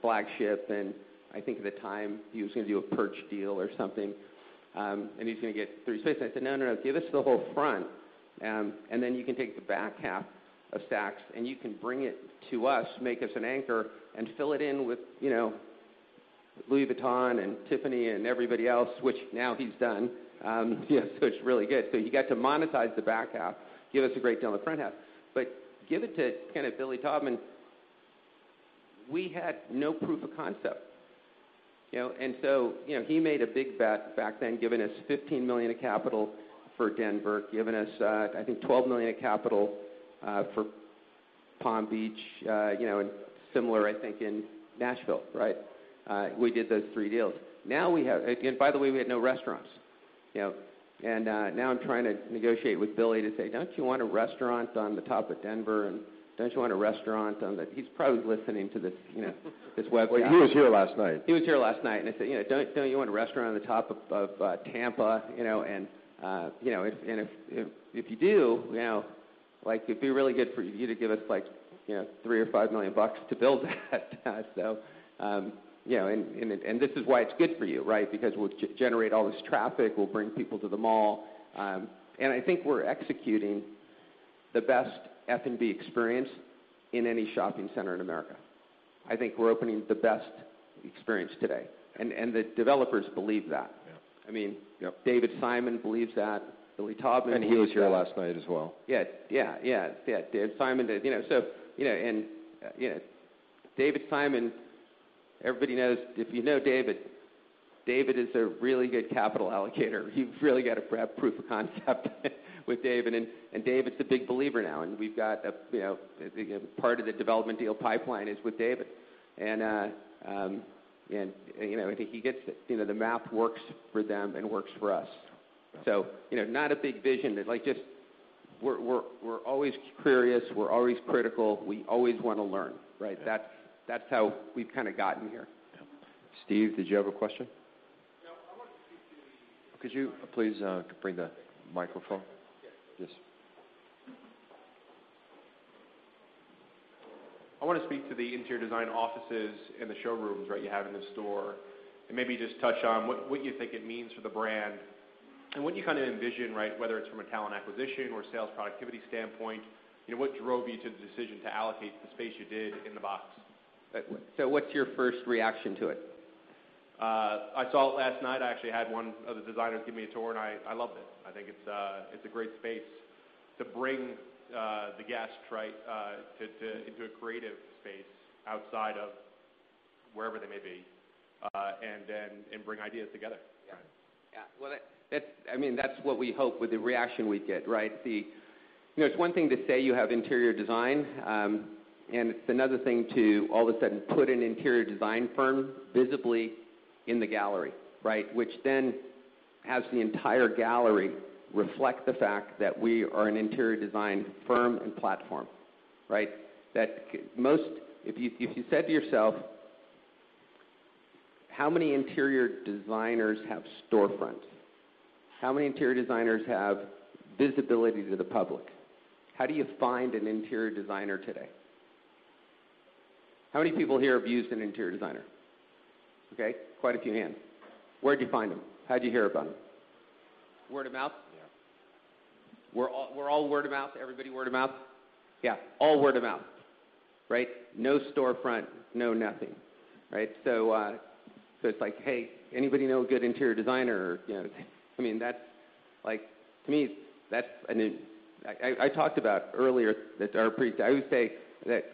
flagship, and I think at the time he was going to do a Perch deal or something. He was going to get three spaces. I said, "No, give us the whole front, and then you can take the back half of Saks, and you can bring it to us, make us an anchor, and fill it in with Louis Vuitton and Tiffany and everybody else," which now he's done. It's really good. You got to monetize the back half, give us a great deal on the front half. Give it to Billy Taubman, we had no proof of concept. He made a big bet back then, giving us $15 million of capital for Denver, giving us, I think, $12 million of capital for Palm Beach, and similar, I think, in Nashville, right. We did those three deals. By the way, we had no restaurants. Now I'm trying to negotiate with Billy to say, "Don't you want a restaurant on the top of Denver? Don't you want a restaurant on the" He's probably listening to this webcast. Well, he was here last night. He was here last night, I said, "Don't you want a restaurant on the top of Tampa? If you do, it'd be really good for you to give us, like, $3 million or $5 million to build that." This is why it's good for you, right, because we'll generate all this traffic. We'll bring people to the mall. I think we're executing the best F&B experience in any shopping center in America. I think we're opening the best experience today. The developers believe that. Yeah. David Simon believes that. Billy Taubman believes that. He was here last night as well. Yeah. David Simon, everybody knows, if you know David is a really good capital allocator. You've really got to have proof of concept with David. David's a big believer now. Part of the development deal pipeline is with David. I think he gets it. The math works for them and works for us. Not a big vision. We're always curious. We're always critical. We always want to learn, right? Yeah. That's how we've kind of gotten here. Yeah. Steve, did you have a question? No, I wanted to speak to the Could you please bring the microphone? Yes. Yes. I want to speak to the interior design offices and the showrooms, right, you have in the store, and maybe just touch on what you think it means for the brand and what you kind of envision, right? Whether it's from a talent acquisition or sales productivity standpoint, what drove you to the decision to allocate the space you did in the box? What's your first reaction to it? I saw it last night. I actually had one of the designers give me a tour, and I loved it. I think it's a great space to bring the guest into a creative space outside of wherever they may be, and bring ideas together. Yeah. That's what we hope with the reaction we get. It's one thing to say you have interior design, and it's another thing to all of a sudden put an interior design firm visibly in the gallery. Then has the entire gallery reflect the fact that we are an interior design firm and platform. If you said to yourself, how many interior designers have storefronts? How many interior designers have visibility to the public? How do you find an interior designer today? How many people here have used an interior designer? Okay. Quite a few hands. Where'd you find them? How'd you hear about them? Word of mouth? Yeah. We're all word of mouth. Everybody word of mouth? Yeah. All word of mouth. No storefront, no nothing. It's like, "Hey, anybody know a good interior designer?" To me, I talked about earlier, I would say that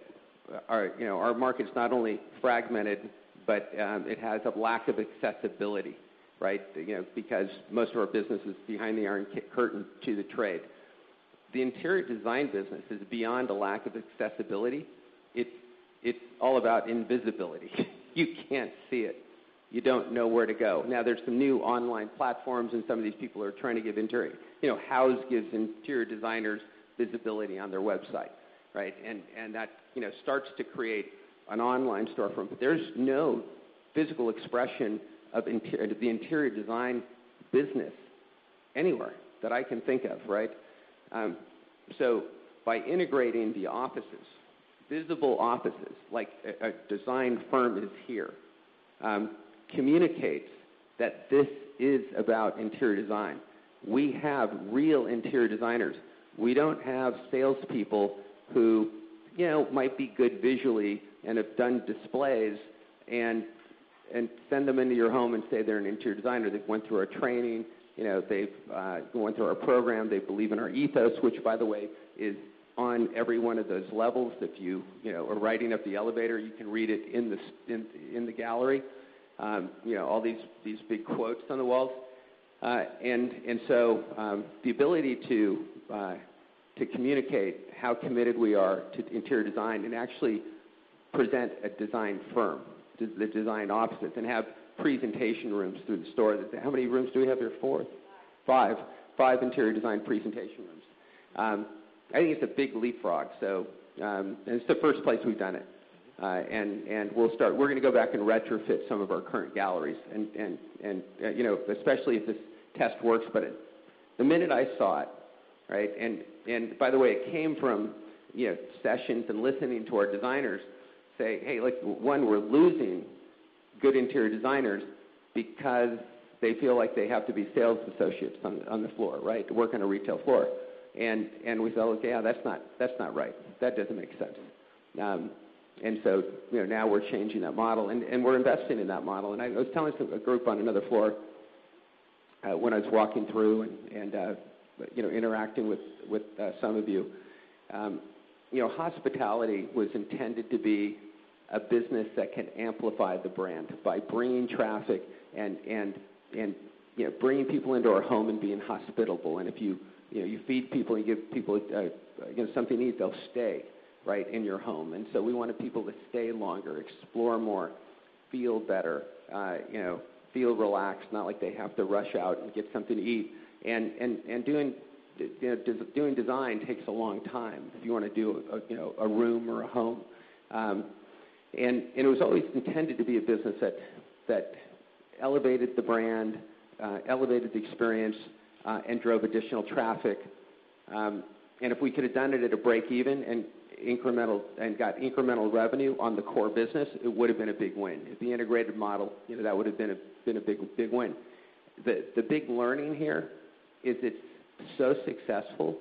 our market's not only fragmented, but it has a lack of accessibility because most of our business is behind the iron curtain to the trade. The interior design business is beyond a lack of accessibility. It's all about invisibility. You can't see it. You don't know where to go. There's some new online platforms, and some of these people are trying to give Houzz gives interior designers visibility on their website. That starts to create an online storefront, but there's no physical expression of the interior design business anywhere that I can think of. By integrating the offices, visible offices, like a design firm is here, communicates that this is about interior design. We have real interior designers. We don't have salespeople who might be good visually and have done displays and send them into your home and say they're an interior designer. They've went through our training, they've gone through our program, they believe in our ethos. By the way, is on every one of those levels that you are riding up the elevator, you can read it in the gallery. All these big quotes on the walls. The ability to communicate how committed we are to interior design and actually present a design firm, the design offices, and have presentation rooms through the store. How many rooms do we have here? Four? Five. five interior design presentation rooms. I think it's a big leapfrog, and it's the first place we've done it. We're going to go back and retrofit some of our current galleries, especially if this test works. The minute I saw it By the way, it came from sessions and listening to our designers say, one, we're losing good interior designers because they feel like they have to be sales associates on the floor, to work on a retail floor. We said, "Okay, that's not right." That doesn't make sense. Now we're changing that model, and we're investing in that model. I was telling a group on another floor when I was walking through and interacting with some of you, hospitality was intended to be a business that can amplify the brand by bringing traffic and bringing people into our home and being hospitable. If you feed people and give something to eat, they'll stay in your home. We wanted people to stay longer, explore more, feel better, feel relaxed, not like they have to rush out and get something to eat. Doing design takes a long time, if you want to do a room or a home. It was always intended to be a business that elevated the brand, elevated the experience, and drove additional traffic. If we could've done it at a break even and got incremental revenue on the core business, it would've been a big win. The integrated model, that would've been a big win. The big learning here is it's so successful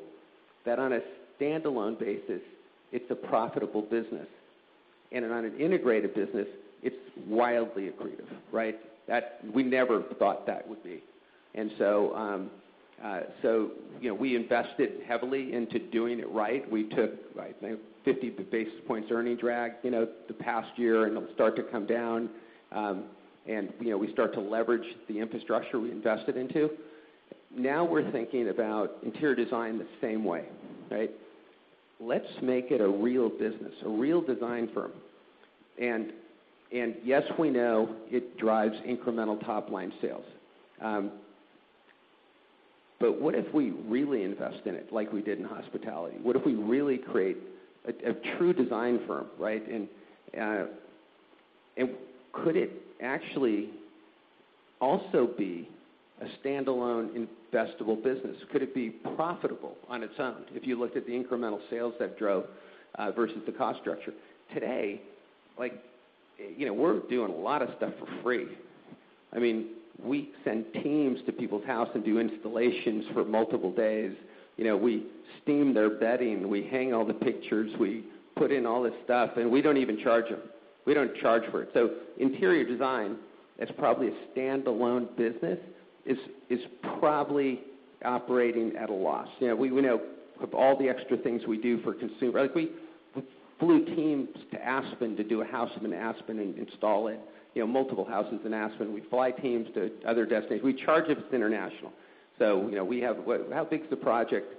that on a standalone basis, it's a profitable business. On an integrated business, it's wildly accretive. We never thought that would be. We invested heavily into doing it right. We took 50 basis points earning drag the past year, and it'll start to come down. We start to leverage the infrastructure we invested into. Now we're thinking about interior design the same way. Let's make it a real business, a real design firm. Yes, we know it drives incremental top-line sales. What if we really invest in it like we did in hospitality? What if we really create a true design firm? Could it actually also be a standalone investable business? Could it be profitable on its own if you looked at the incremental sales that drove versus the cost structure? Today, we're doing a lot of stuff for free. We send teams to people's house and do installations for multiple days. We steam their bedding, we hang all the pictures, we put in all this stuff, we don't even charge them. We don't charge for it. Interior design, as probably a standalone business, is probably operating at a loss. We flew teams to Aspen to do a house in Aspen and install it, multiple houses in Aspen. We fly teams to other destinations. We charge if it's international. How big is the project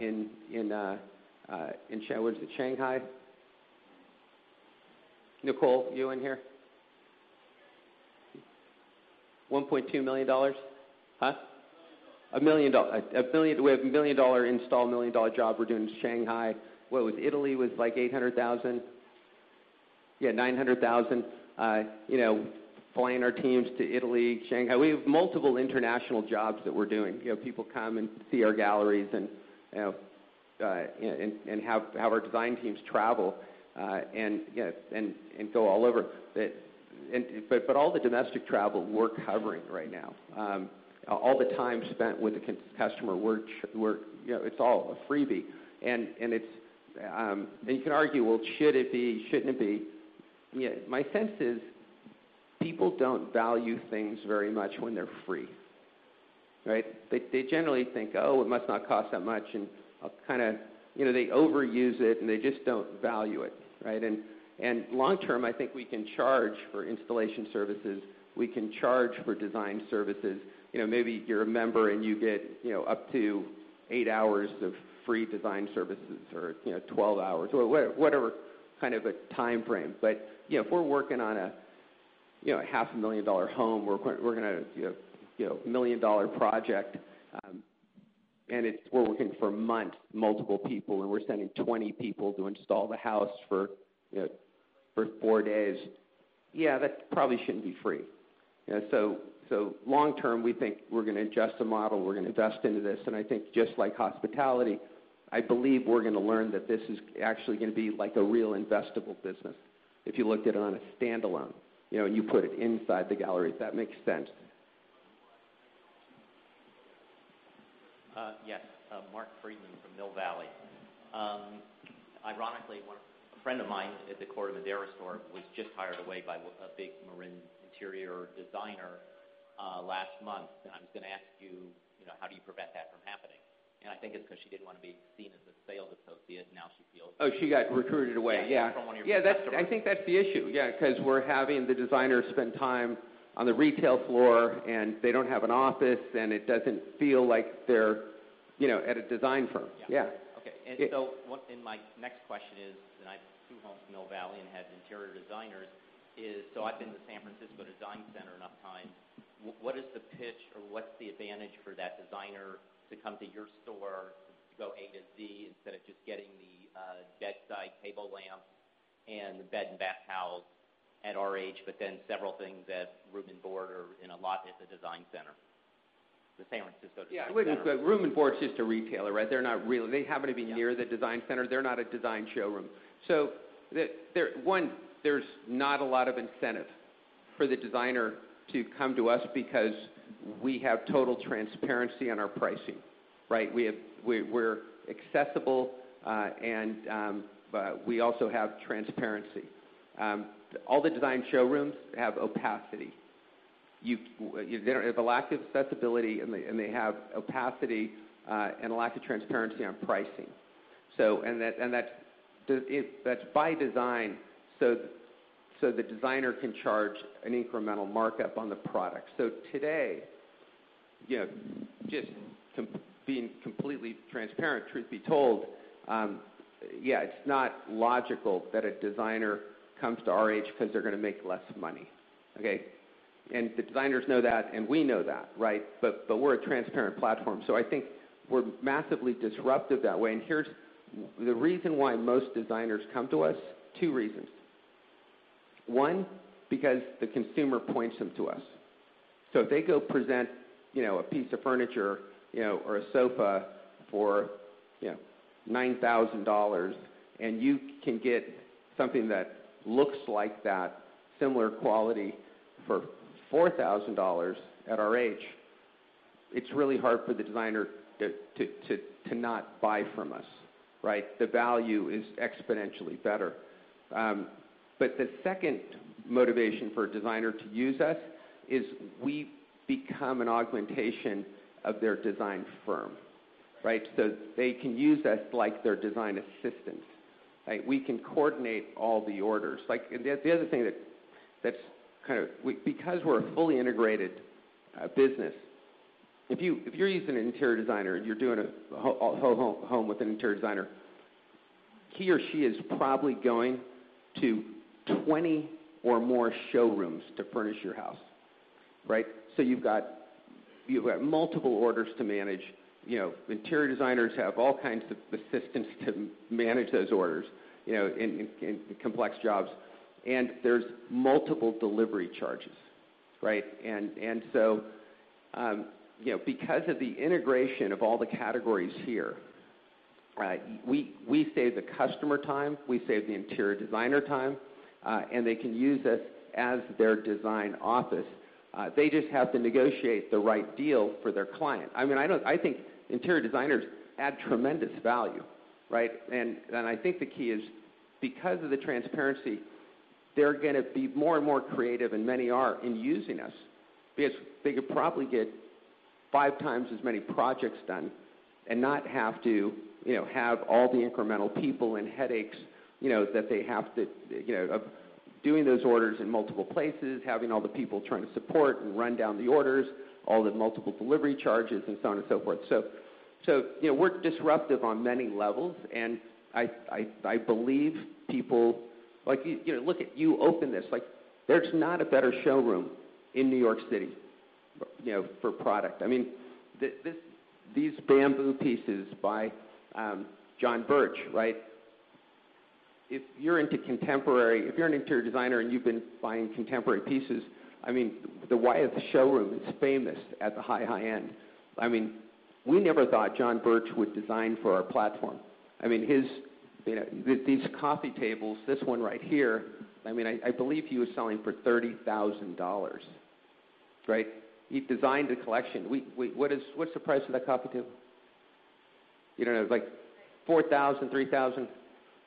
in Shanghai? Nicole, you in here? $1.2 million? Huh? A $1 million. We have a million-dollar install, a million-dollar job we're doing in Shanghai. What was Italy? Was like $800,000? Yeah, $900,000. Flying our teams to Italy, Shanghai. We have multiple international jobs that we're doing. People come and see our galleries and have our design teams travel, and go all over. All the domestic travel we're covering right now. All the time spent with the customer, it's all a freebie. You can argue, well, should it be, shouldn't it be? My sense is people don't value things very much when they're free. Right. They generally think, "Oh, it must not cost that much," and they overuse it, and they just don't value it. Right. Long-term, I think we can charge for installation services. We can charge for design services. Maybe you're a member and you get up to eight hours of free design services or 12 hours or whatever kind of a time frame. If we're working on a half a million dollar home, a million-dollar project, and we're working for months, multiple people, and we're sending 20 people to install the house for four days, yeah, that probably shouldn't be free. long-term, we think we're going to adjust the model, we're going to invest into this, and I think just like hospitality, I believe we're going to learn that this is actually going to be a real investable business if you looked at it on a standalone, and you put it inside the gallery, if that makes sense. Yes. Mark Friedman from Mill Valley. Ironically, a friend of mine at the Corte Madera store was just hired away by a big Marin interior designer last month. I was going to ask you, how do you prevent that from happening? I think it's because she didn't want to be seen as a sales associate. Now she feels- Oh, she got recruited away. Yeah. Yeah. From one of your best customers. I think that's the issue. Because we're having the designer spend time on the retail floor, and they don't have an office, and it doesn't feel like they're at a design firm. Yeah. Yeah. Okay. My next question is, and I have two homes in Mill Valley and have interior designers, is so I've been to the San Francisco Design Center enough times. What is the pitch or what's the advantage for that designer to come to your store to go A to Z instead of just getting the bedside table lamps and the bed and bath towels at RH, but then several things at Room & Board or in a lot at the Design Center, the San Francisco Design Center? Room & Board's just a retailer, right? They happen to be near the Design Center. They're not a design showroom. One, there's not a lot of incentive for the designer to come to us because we have total transparency on our pricing. Right. We're accessible, but we also have transparency. All the design showrooms have opacity. They have a lack of accessibility, and they have opacity, and a lack of transparency on pricing. That's by design, so the designer can charge an incremental markup on the product. Today, just being completely transparent, truth be told, it's not logical that a designer comes to RH because they're going to make less money. Okay. The designers know that, and we know that, right? We're a transparent platform, so I think we're massively disruptive that way. Here's the reason why most designers come to us, two reasons. One, because the consumer points them to us. If they go present a piece of furniture or a sofa for $9,000, and you can get something that looks like that, similar quality for $4,000 at RH, it's really hard for the designer to not buy from us. Right? The value is exponentially better. The second motivation for a designer to use us is we become an augmentation of their design firm. Right? They can use us like their design assistants. Right. We can coordinate all the orders. Because we're a fully integrated business, if you're using an interior designer and you're doing a home with an interior designer, he or she is probably going to 20 or more showrooms to furnish your house. Right? You've got multiple orders to manage. Interior designers have all kinds of assistants to manage those orders and complex jobs. There's multiple delivery charges. Right? Because of the integration of all the categories here, we save the customer time, we save the interior designer time, and they can use us as their design office. They just have to negotiate the right deal for their client. I think interior designers add tremendous value. Right? I think the key is because of the transparency, they're going to be more and more creative, and many are, in using us because they could probably get five times as many projects done and not have to have all the incremental people and headaches, that they have of doing those orders in multiple places, having all the people trying to support and run down the orders, all the multiple delivery charges, and so on and so forth. We're disruptive on many levels, and I believe people Look, you opened this. There's not a better showroom in New York City for product. These bamboo pieces by John Birch, if you're into contemporary, if you're an interior designer and you've been buying contemporary pieces, the Wyeth showroom is famous at the high end. We never thought John Birch would design for our platform. These coffee tables, this one right here, I believe he was selling for $30,000. He designed a collection. What's the price of that coffee table? You don't know. Like $4,000, $3,000?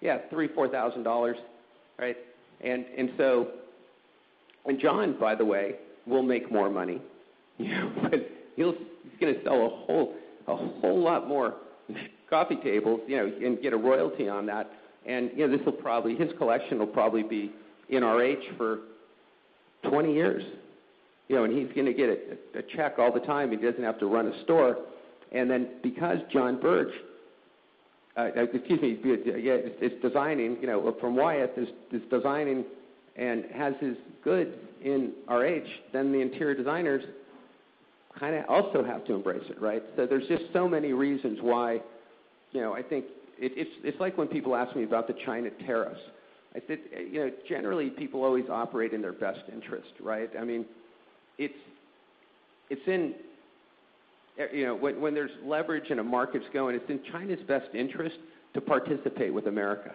Yeah, $3,000, $4,000. John, by the way, will make more money. He's going to sell a whole lot more coffee tables, and get a royalty on that, and his collection will probably be in RH for 20 years. He's going to get a check all the time. He doesn't have to run a store. Because John Birch, excuse me, from Wyeth, is designing and has his goods in RH, then the interior designers kind of also have to embrace it. There's just so many reasons why, I think It's like when people ask me about the China tariffs. I said, "Generally, people always operate in their best interest." When there's leverage and a market's going, it's in China's best interest to participate with America.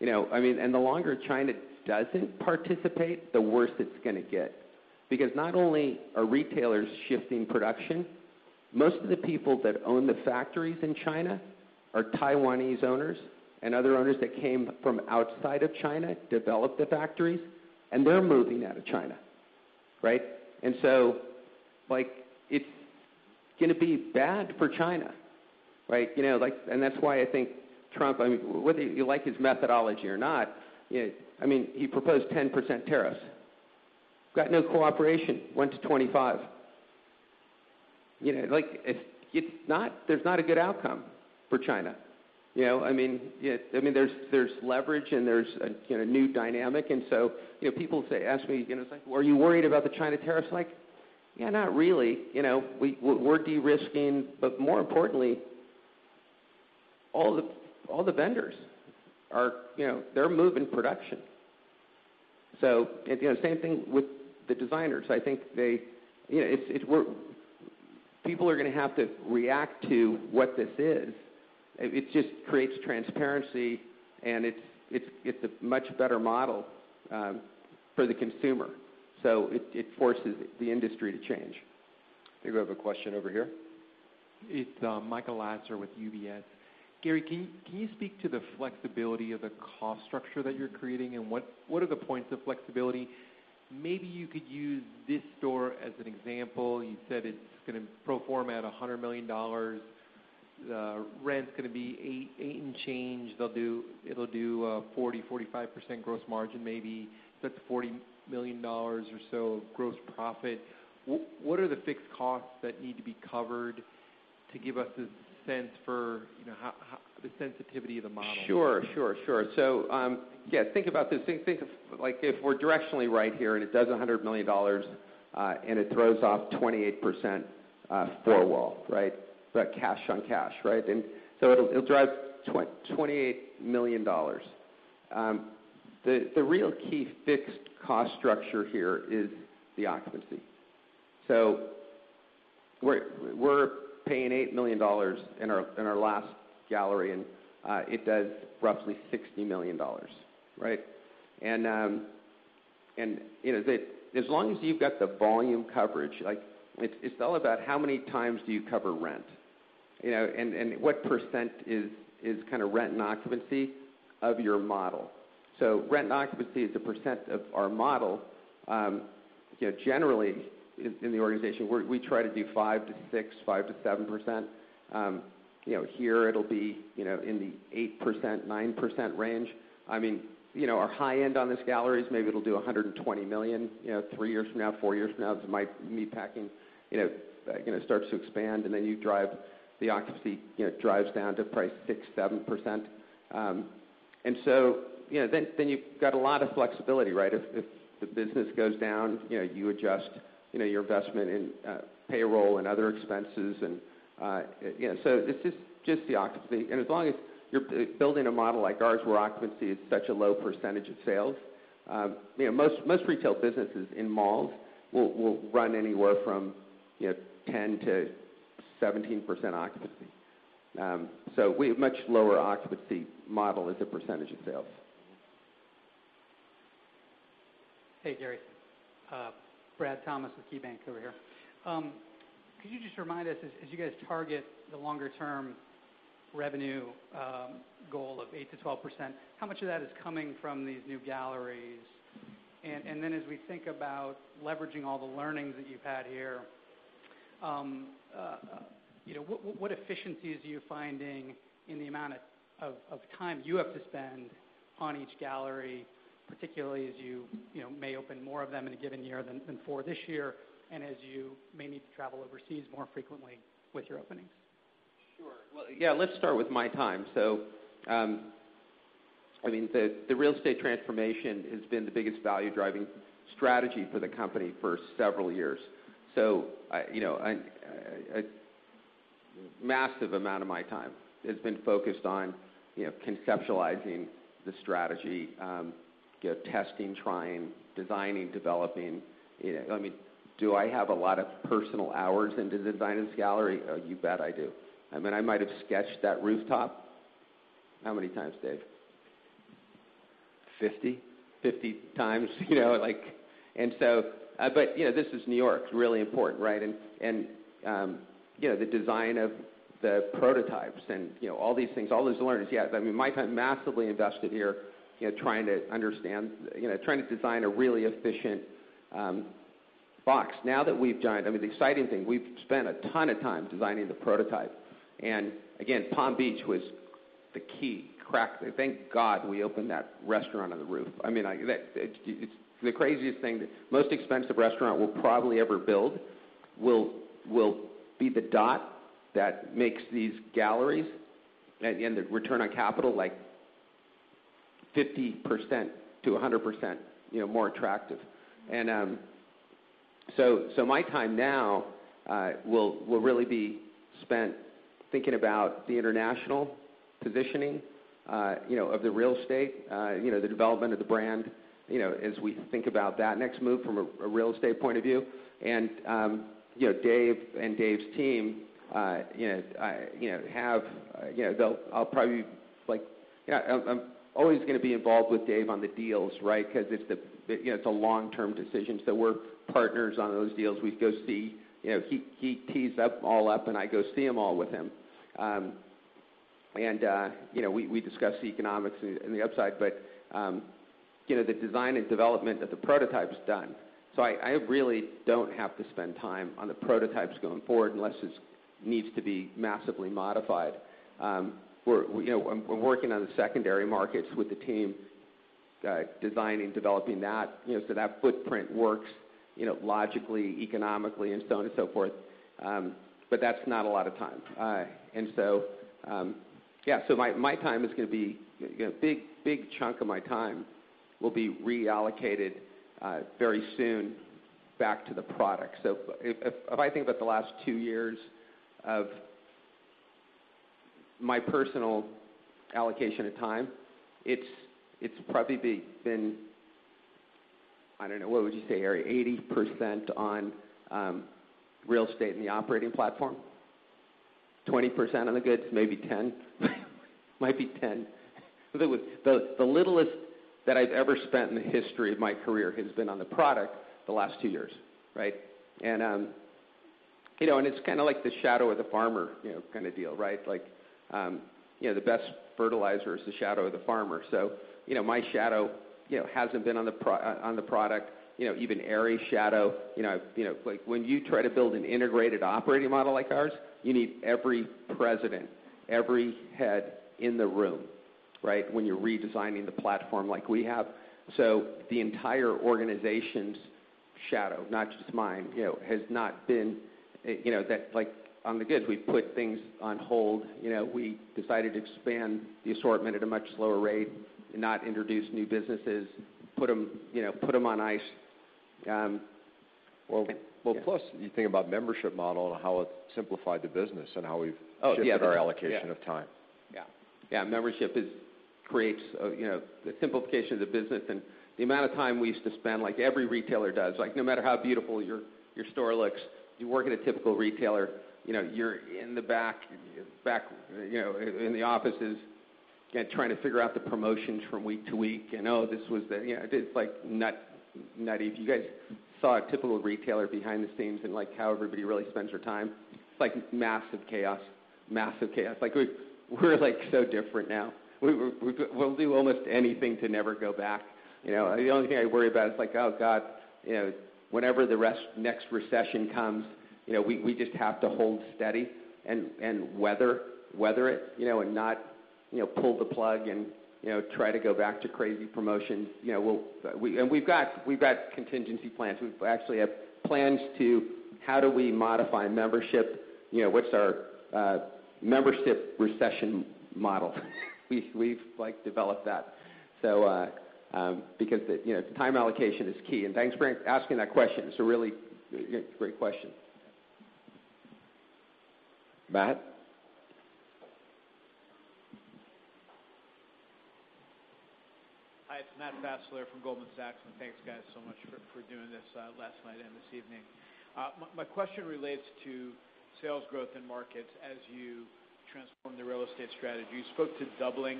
The longer China doesn't participate, the worse it's going to get because not only are retailers shifting production, most of the people that own the factories in China are Taiwanese owners and other owners that came from outside of China, developed the factories, and they're moving out of China. It's going to be bad for China. That's why I think Trump, whether you like his methodology or not, he proposed 10% tariffs. Got no cooperation, went to 25%. There's not a good outcome for China. There's leverage and there's a new dynamic, people ask me, "Are you worried about the China tariffs?" I'm like, "Yeah, not really." We're de-risking, but more importantly, all the vendors, they're moving production. Same thing with the designers. People are going to have to react to what this is. It just creates transparency, and it's a much better model for the consumer. It forces the industry to change. I think we have a question over here. It's Michael Lasser with UBS. Gary, can you speak to the flexibility of the cost structure that you're creating, and what are the points of flexibility? Maybe you could use this store as an example. You said it's going to pro forma at $100 million. The rent's going to be $8 million and change. It'll do 40%-45% gross margin, maybe. That's a $40 million or so of gross profit. What are the fixed costs that need to be covered to give us a sense for the sensitivity of the model? Sure. Think about this. If we're directionally right here and it does $100 million, and it throws off 28% four-wall. That cash on cash. It'll drive $28 million. The real key fixed cost structure here is the occupancy. We're paying $8 million in our last gallery, and it does roughly $60 million. As long as you've got the volume coverage, it's all about how many times do you cover rent, and what percent is kind of rent and occupancy of your model. Rent and occupancy is the percent of our model. Generally, in the organization, we try to do 5%-6%, 5%-7%. Here it'll be in the 8%-9% range. Our high end on this gallery is maybe it'll do $120 million three years from now, four years from now as my Meatpacking starts to expand. Then the occupancy drives down to probably 6%-7%. You've got a lot of flexibility. If the business goes down, you adjust your investment in payroll and other expenses. It's just the occupancy, and as long as you're building a model like ours where occupancy is such a low percentage of sales. Most retail businesses in malls will run anywhere from 10%-17% occupancy. Much lower occupancy model as a percentage of sales. Hey, Gary. Brad Thomas with KeyBanc over here. Could you just remind us as you guys target the longer-term revenue goal of 8%-12%, how much of that is coming from these new galleries? As we think about leveraging all the learnings that you've had here, what efficiencies are you finding in the amount of time you have to spend on each gallery, particularly as you may open more of them in a given year than four this year and as you may need to travel overseas more frequently with your openings? Sure. Well, yeah, let's start with my time. The real estate transformation has been the biggest value-driving strategy for the company for several years. A massive amount of my time has been focused on conceptualizing the strategy, testing, trying, designing, developing. Do I have a lot of personal hours into designing this gallery? You bet I do. I might've sketched that rooftop, how many times, Dave? 50? 50 times. This is New York. It's really important, right? The design of the prototypes and all these things, all those learnings. Yeah. My time massively invested here trying to design a really efficient box. Now that we've done it, the exciting thing, we've spent a ton of time designing the prototype. Again, Palm Beach was the key crack. Thank God we opened that restaurant on the roof. It's the craziest thing, the most expensive restaurant we'll probably ever build will be the dot that makes these galleries and the return on capital, like 50%-100% more attractive. My time now will really be spent thinking about the international positioning of the real estate, the development of the brand as we think about that next move from a real estate point of view. Dave and Dave's team, I'm always going to be involved with Dave on the deals, right? Because it's a long-term decision. We're partners on those deals. He tees them all up, and I go see them all with him. We discuss the economics and the upside. The design and development of the prototype's done. I really don't have to spend time on the prototypes going forward unless it needs to be massively modified. We're working on the secondary markets with the team, designing, developing that so that footprint works logically, economically, and so on and so forth. That's not a lot of time. Yeah, a big chunk of my time will be reallocated very soon back to the product. If I think about the last two years of my personal allocation of time, it's probably been, I don't know, what would you say, Ari? 80% on real estate and the operating platform, 20% on the goods, maybe 10%? Might be 10%. The littlest that I've ever spent in the history of my career has been on the product the last two years, right? It's like the shadow of the farmer kind of deal, right? The best fertilizer is the shadow of the farmer. My shadow hasn't been on the product, even Ari's shadow. When you try to build an integrated operating model like ours, you need every president, every head in the room, right, when you're redesigning the platform like we have. The entire organization's shadow, not just mine, has not been on the goods. We put things on hold. We decided to expand the assortment at a much slower rate and not introduce new businesses, put them on ice. Well, you think about membership model and how it simplified the business and how we've shifted our allocation of time. Yeah. Membership creates the simplification of the business. The amount of time we used to spend, like every retailer does, no matter how beautiful your store looks, you work at a typical retailer, you're in the back, in the offices, trying to figure out the promotions from week to week. Oh, it's nutty. If you guys saw a typical retailer behind the scenes and how everybody really spends their time, it's massive chaos. Massive chaos. We're so different now. We'll do almost anything to never go back. The only thing I worry about is, oh, God, whenever the next recession comes, we just have to hold steady and weather it, and not pull the plug and try to go back to crazy promotions. We've got contingency plans. We actually have plans to how do we modify membership, what's our membership recession model. We've developed that. Because time allocation is key. Thanks for asking that question. It's a really great question. Matt? Hi, it's Matt Fassler from Goldman Sachs, and thanks, guys, so much for doing this last night and this evening. My question relates to sales growth in markets as you transform the real estate strategy. You spoke to doubling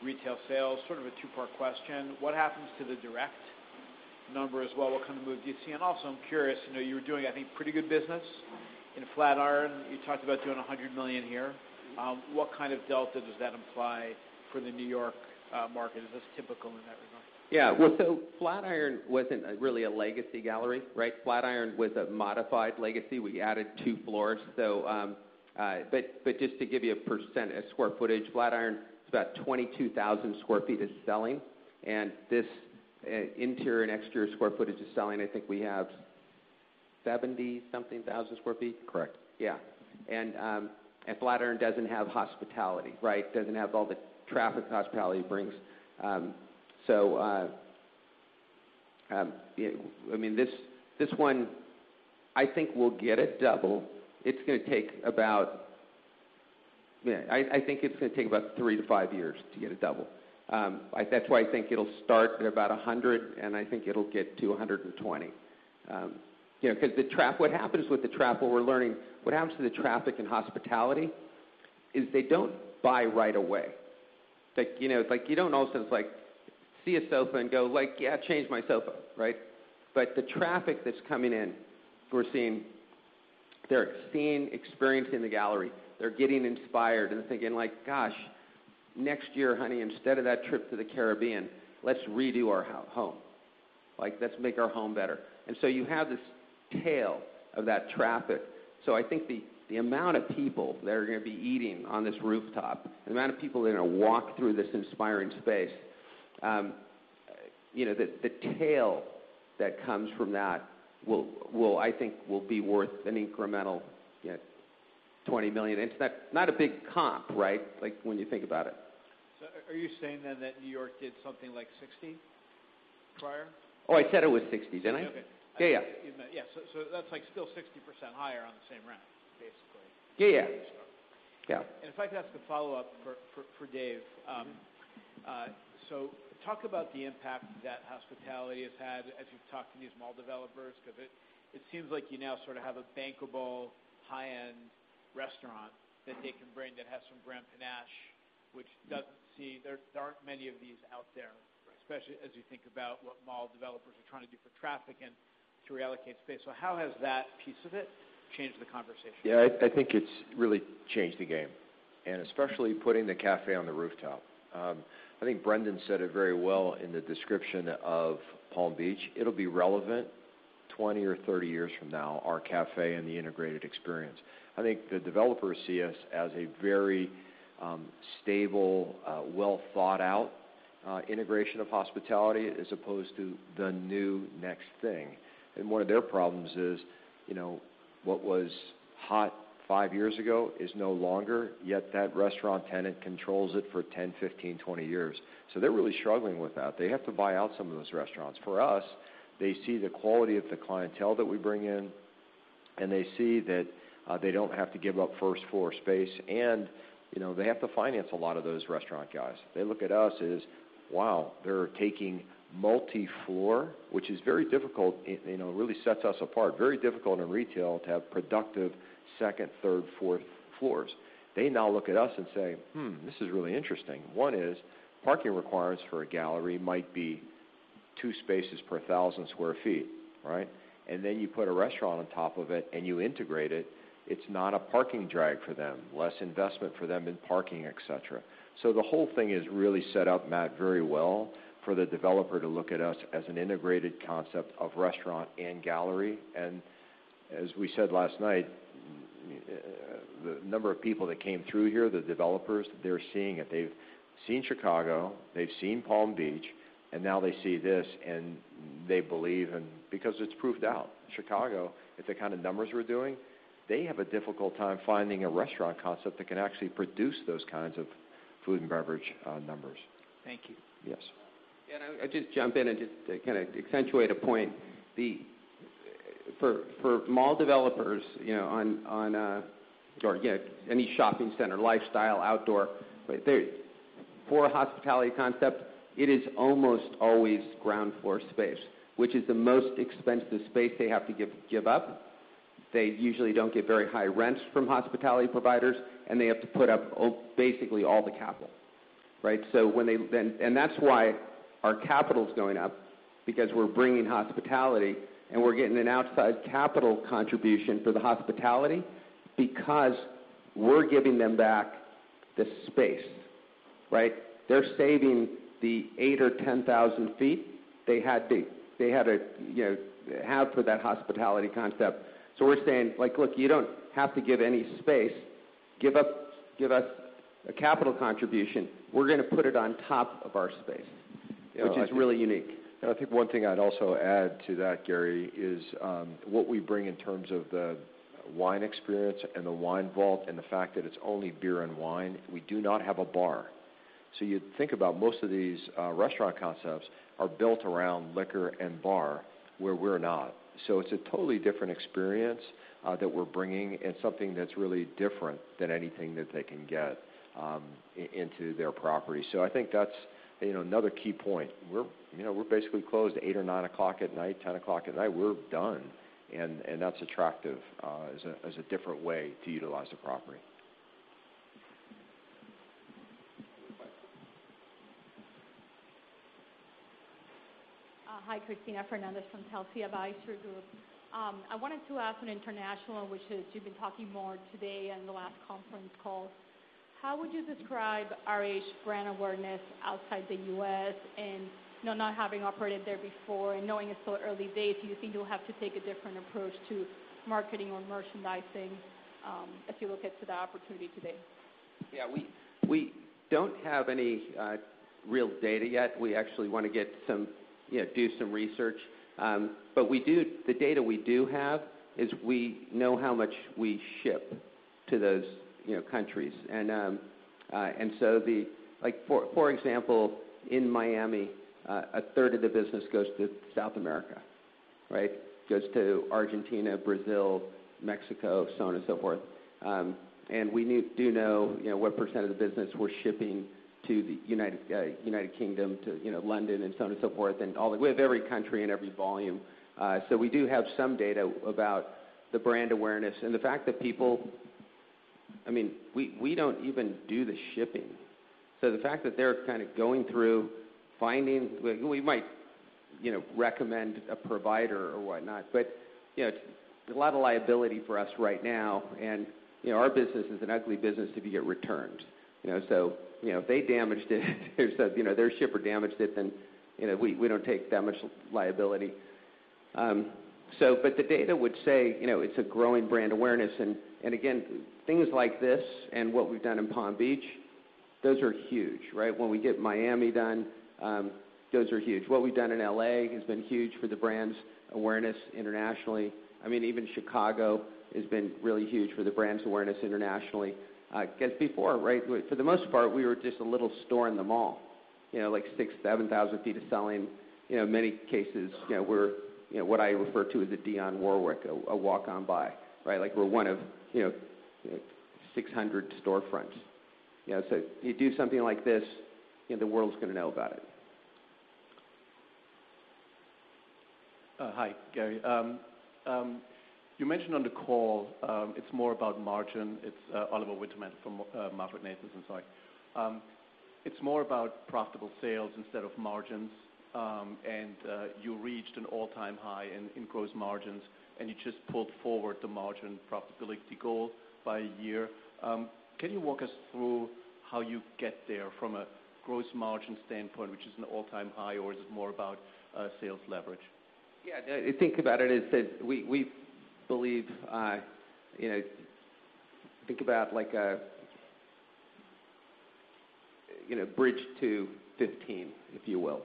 retail sales. Sort of a two-part question. What happens to the direct number as well? What kind of move do you see? Also, I'm curious, you were doing, I think, pretty good business in Flatiron. You talked about doing $100 million here. What kind of delta does that imply for the New York market? Is this typical in that regard? Yeah. Flatiron wasn't really a legacy gallery, right? Flatiron was a modified legacy. We added two floors. Just to give you a percent, a square footage, Flatiron is about 22,000 sq ft of selling, and this interior and exterior square footage of selling, I think we have 70-something thousand sq ft. Correct. Yeah. Flatiron doesn't have hospitality, right? Doesn't have all the traffic hospitality brings. This one, I think we'll get it double. I think it's going to take about three to five years to get a double. That's why I think it'll start at about $100 million, and I think it'll get to $120 million. What happens with the traffic, what we're learning, what happens to the traffic in hospitality is they don't buy right away. You don't all of a sudden see a sofa and go, "Yeah, change my sofa." Right? But the traffic that's coming in, we're seeing they're seeing experience in the gallery. They're getting inspired and thinking like, "Gosh, next year, honey, instead of that trip to the Caribbean, let's redo our home. Let's make our home better." So you have this tail of that traffic. I think the amount of people that are going to be eating on this rooftop, the amount of people that are going to walk through this inspiring space, the tail that comes from that, I think will be worth an incremental $20 million. It's not a big comp, right, when you think about it. Are you saying then that New York did something like 60 prior? I said it was 60, didn't I? Okay. Yeah. That's still 60% higher on the same rent, basically. Yeah. If I could ask a follow-up for Dave. Talk about the impact that hospitality has had as you've talked to these mall developers, because it seems like you now sort of have a bankable high-end restaurant that they can bring that has some brand panache, which there aren't many of these out there, especially as you think about what mall developers are trying to do for traffic and to reallocate space. How has that piece of it changed the conversation? Yeah. I think it's really changed the game, especially putting the cafe on the rooftop. I think Brendan said it very well in the description of Palm Beach. It'll be relevant 20 or 30 years from now, our cafe and the integrated experience. I think the developers see us as a very stable, well-thought-out integration of hospitality as opposed to the new next thing. One of their problems is what was hot five years ago is no longer, yet that restaurant tenant controls it for 10, 15, 20 years. They're really struggling with that. They have to buy out some of those restaurants. For us, they see the quality of the clientele that we bring in, they see that they don't have to give up first-floor space, they have to finance a lot of those restaurant guys. They look at us as, wow, they're taking multi-floor, which is very difficult. It really sets us apart. Very difficult in retail to have productive second, third, fourth floors. They now look at us and say, "Hmm, this is really interesting." One is parking requirements for a gallery might be two spaces per 1,000 sq ft. Right? Then you put a restaurant on top of it and you integrate it. It's not a parking drag for them, less investment for them in parking, et cetera. The whole thing is really set up, Matt, very well for the developer to look at us as an integrated concept of restaurant and gallery. As we said last night, the number of people that came through here, the developers, they're seeing it. They've seen Chicago, they've seen Palm Beach, now they see this, and they believe because it's proved out. Chicago, with the kind of numbers we're doing, they have a difficult time finding a restaurant concept that can actually produce those kinds of food and beverage numbers. Thank you. Yes. I'll just jump in and just kind of accentuate a point. For mall developers or any shopping center, lifestyle, outdoor, for a hospitality concept, it is almost always ground-floor space, which is the most expensive space they have to give up. They usually don't get very high rents from hospitality providers, and they have to put up basically all the capital. Right? That's why our capital's going up, because we're bringing hospitality and we're getting an outside capital contribution for the hospitality because we're giving them back the space. Right? They're saving the 8,000 or 10,000 feet they had to have for that hospitality concept. So we're saying, "Look, you don't have to give any space. Give us a capital contribution. We're going to put it on top of our space," which is really unique. I think one thing I'd also add to that, Gary, is what we bring in terms of the wine experience and the wine vault and the fact that it's only beer and wine. We do not have a bar. You think about most of these restaurant concepts are built around liquor and bar, where we're not. It's a totally different experience that we're bringing and something that's really different than anything that they can get into their property. I think that's another key point. We're basically closed at 8 or 9 o'clock at night, 10 o'clock at night, we're done. That's attractive as a different way to utilize the property. Any questions? Hi, Cristina Fernández from Telsey Advisory Group. I wanted to ask an international, which is you've been talking more today and the last conference call. How would you describe RH brand awareness outside the U.S.? Not having operated there before and knowing it's still early days, do you think you'll have to take a different approach to marketing or merchandising as you look to the opportunity today? We don't have any real data yet. We actually want to do some research. The data we do have is we know how much we ship to those countries. For example, in Miami, a third of the business goes to South America. Goes to Argentina, Brazil, Mexico, so on and so forth. We do know what percent of the business we're shipping to the U.K., to London and so on and so forth, and with every country and every volume. We do have some data about the brand awareness and the fact that people, we don't even do the shipping, so the fact that they're going through, finding, we might recommend a provider or whatnot, but it's a lot of liability for us right now. Our business is an ugly business if you get returns. If their shipper damaged it, then we don't take that much liability. The data would say it's a growing brand awareness. Again, things like this and what we've done in Palm Beach, those are huge. When we get Miami done, those are huge. What we've done in L.A. has been huge for the brand's awareness internationally. Even Chicago has been really huge for the brand's awareness internationally. Before, for the most part, we were just a little store in the mall. Like 6,000, 7,000 feet of selling. In many cases, we're what I refer to as a Dionne Warwick, a walk-on by. Like we're one of 600 storefronts. You do something like this, the world's going to know about it. Hi, Gary. You mentioned on the call it's more about margin. It's Oliver Wintermann from Maverick Capital. I'm sorry. It's more about profitable sales instead of margins, and you reached an all-time high in gross margins, and you just pulled forward the margin profitability goal by a year. Can you walk us through how you get there from a gross margin standpoint, which is an all-time high, or is it more about sales leverage? Yeah, think about it. Think about like a bridge to 15, if you will,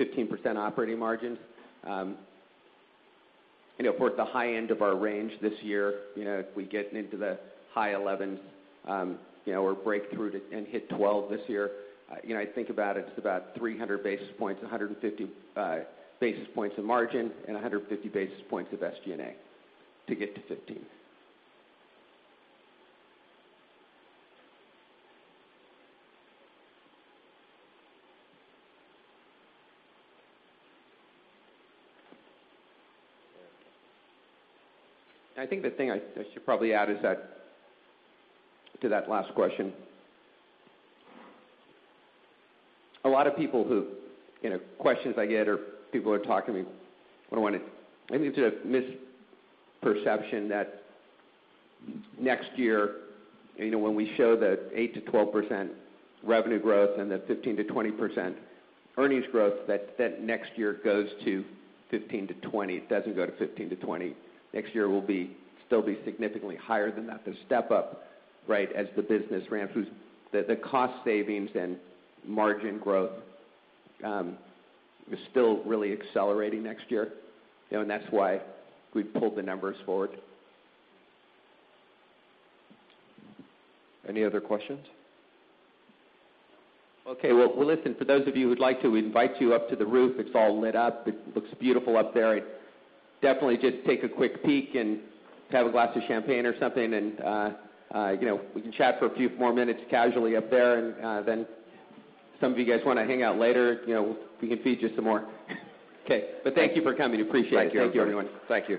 15% operating margins. We're at the high end of our range this year. If we get into the high 11s or break through and hit 12 this year, I think about it's about 300 basis points, 150 basis points of margin and 150 basis points of SG&A to get to 15. I think the thing I should probably add to that last question, a lot of people who are talking to me, I think it's a misperception that next year, when we show the 8%-12% revenue growth and the 15%-20% earnings growth, that next year goes to 15-20. It doesn't go to 15-20. Next year will still be significantly higher than that. There's step-up as the business ramps. The cost savings and margin growth is still really accelerating next year, and that's why we've pulled the numbers forward. Any other questions? Okay. Well, listen, for those of you who would like to, we invite you up to the roof. It's all lit up. It looks beautiful up there. Definitely just take a quick peek and have a glass of champagne or something and we can chat for a few more minutes casually up there. Then some of you guys want to hang out later, we can feed you some more. Okay. Thank you for coming. Appreciate it. Thank you, everyone. Thank you.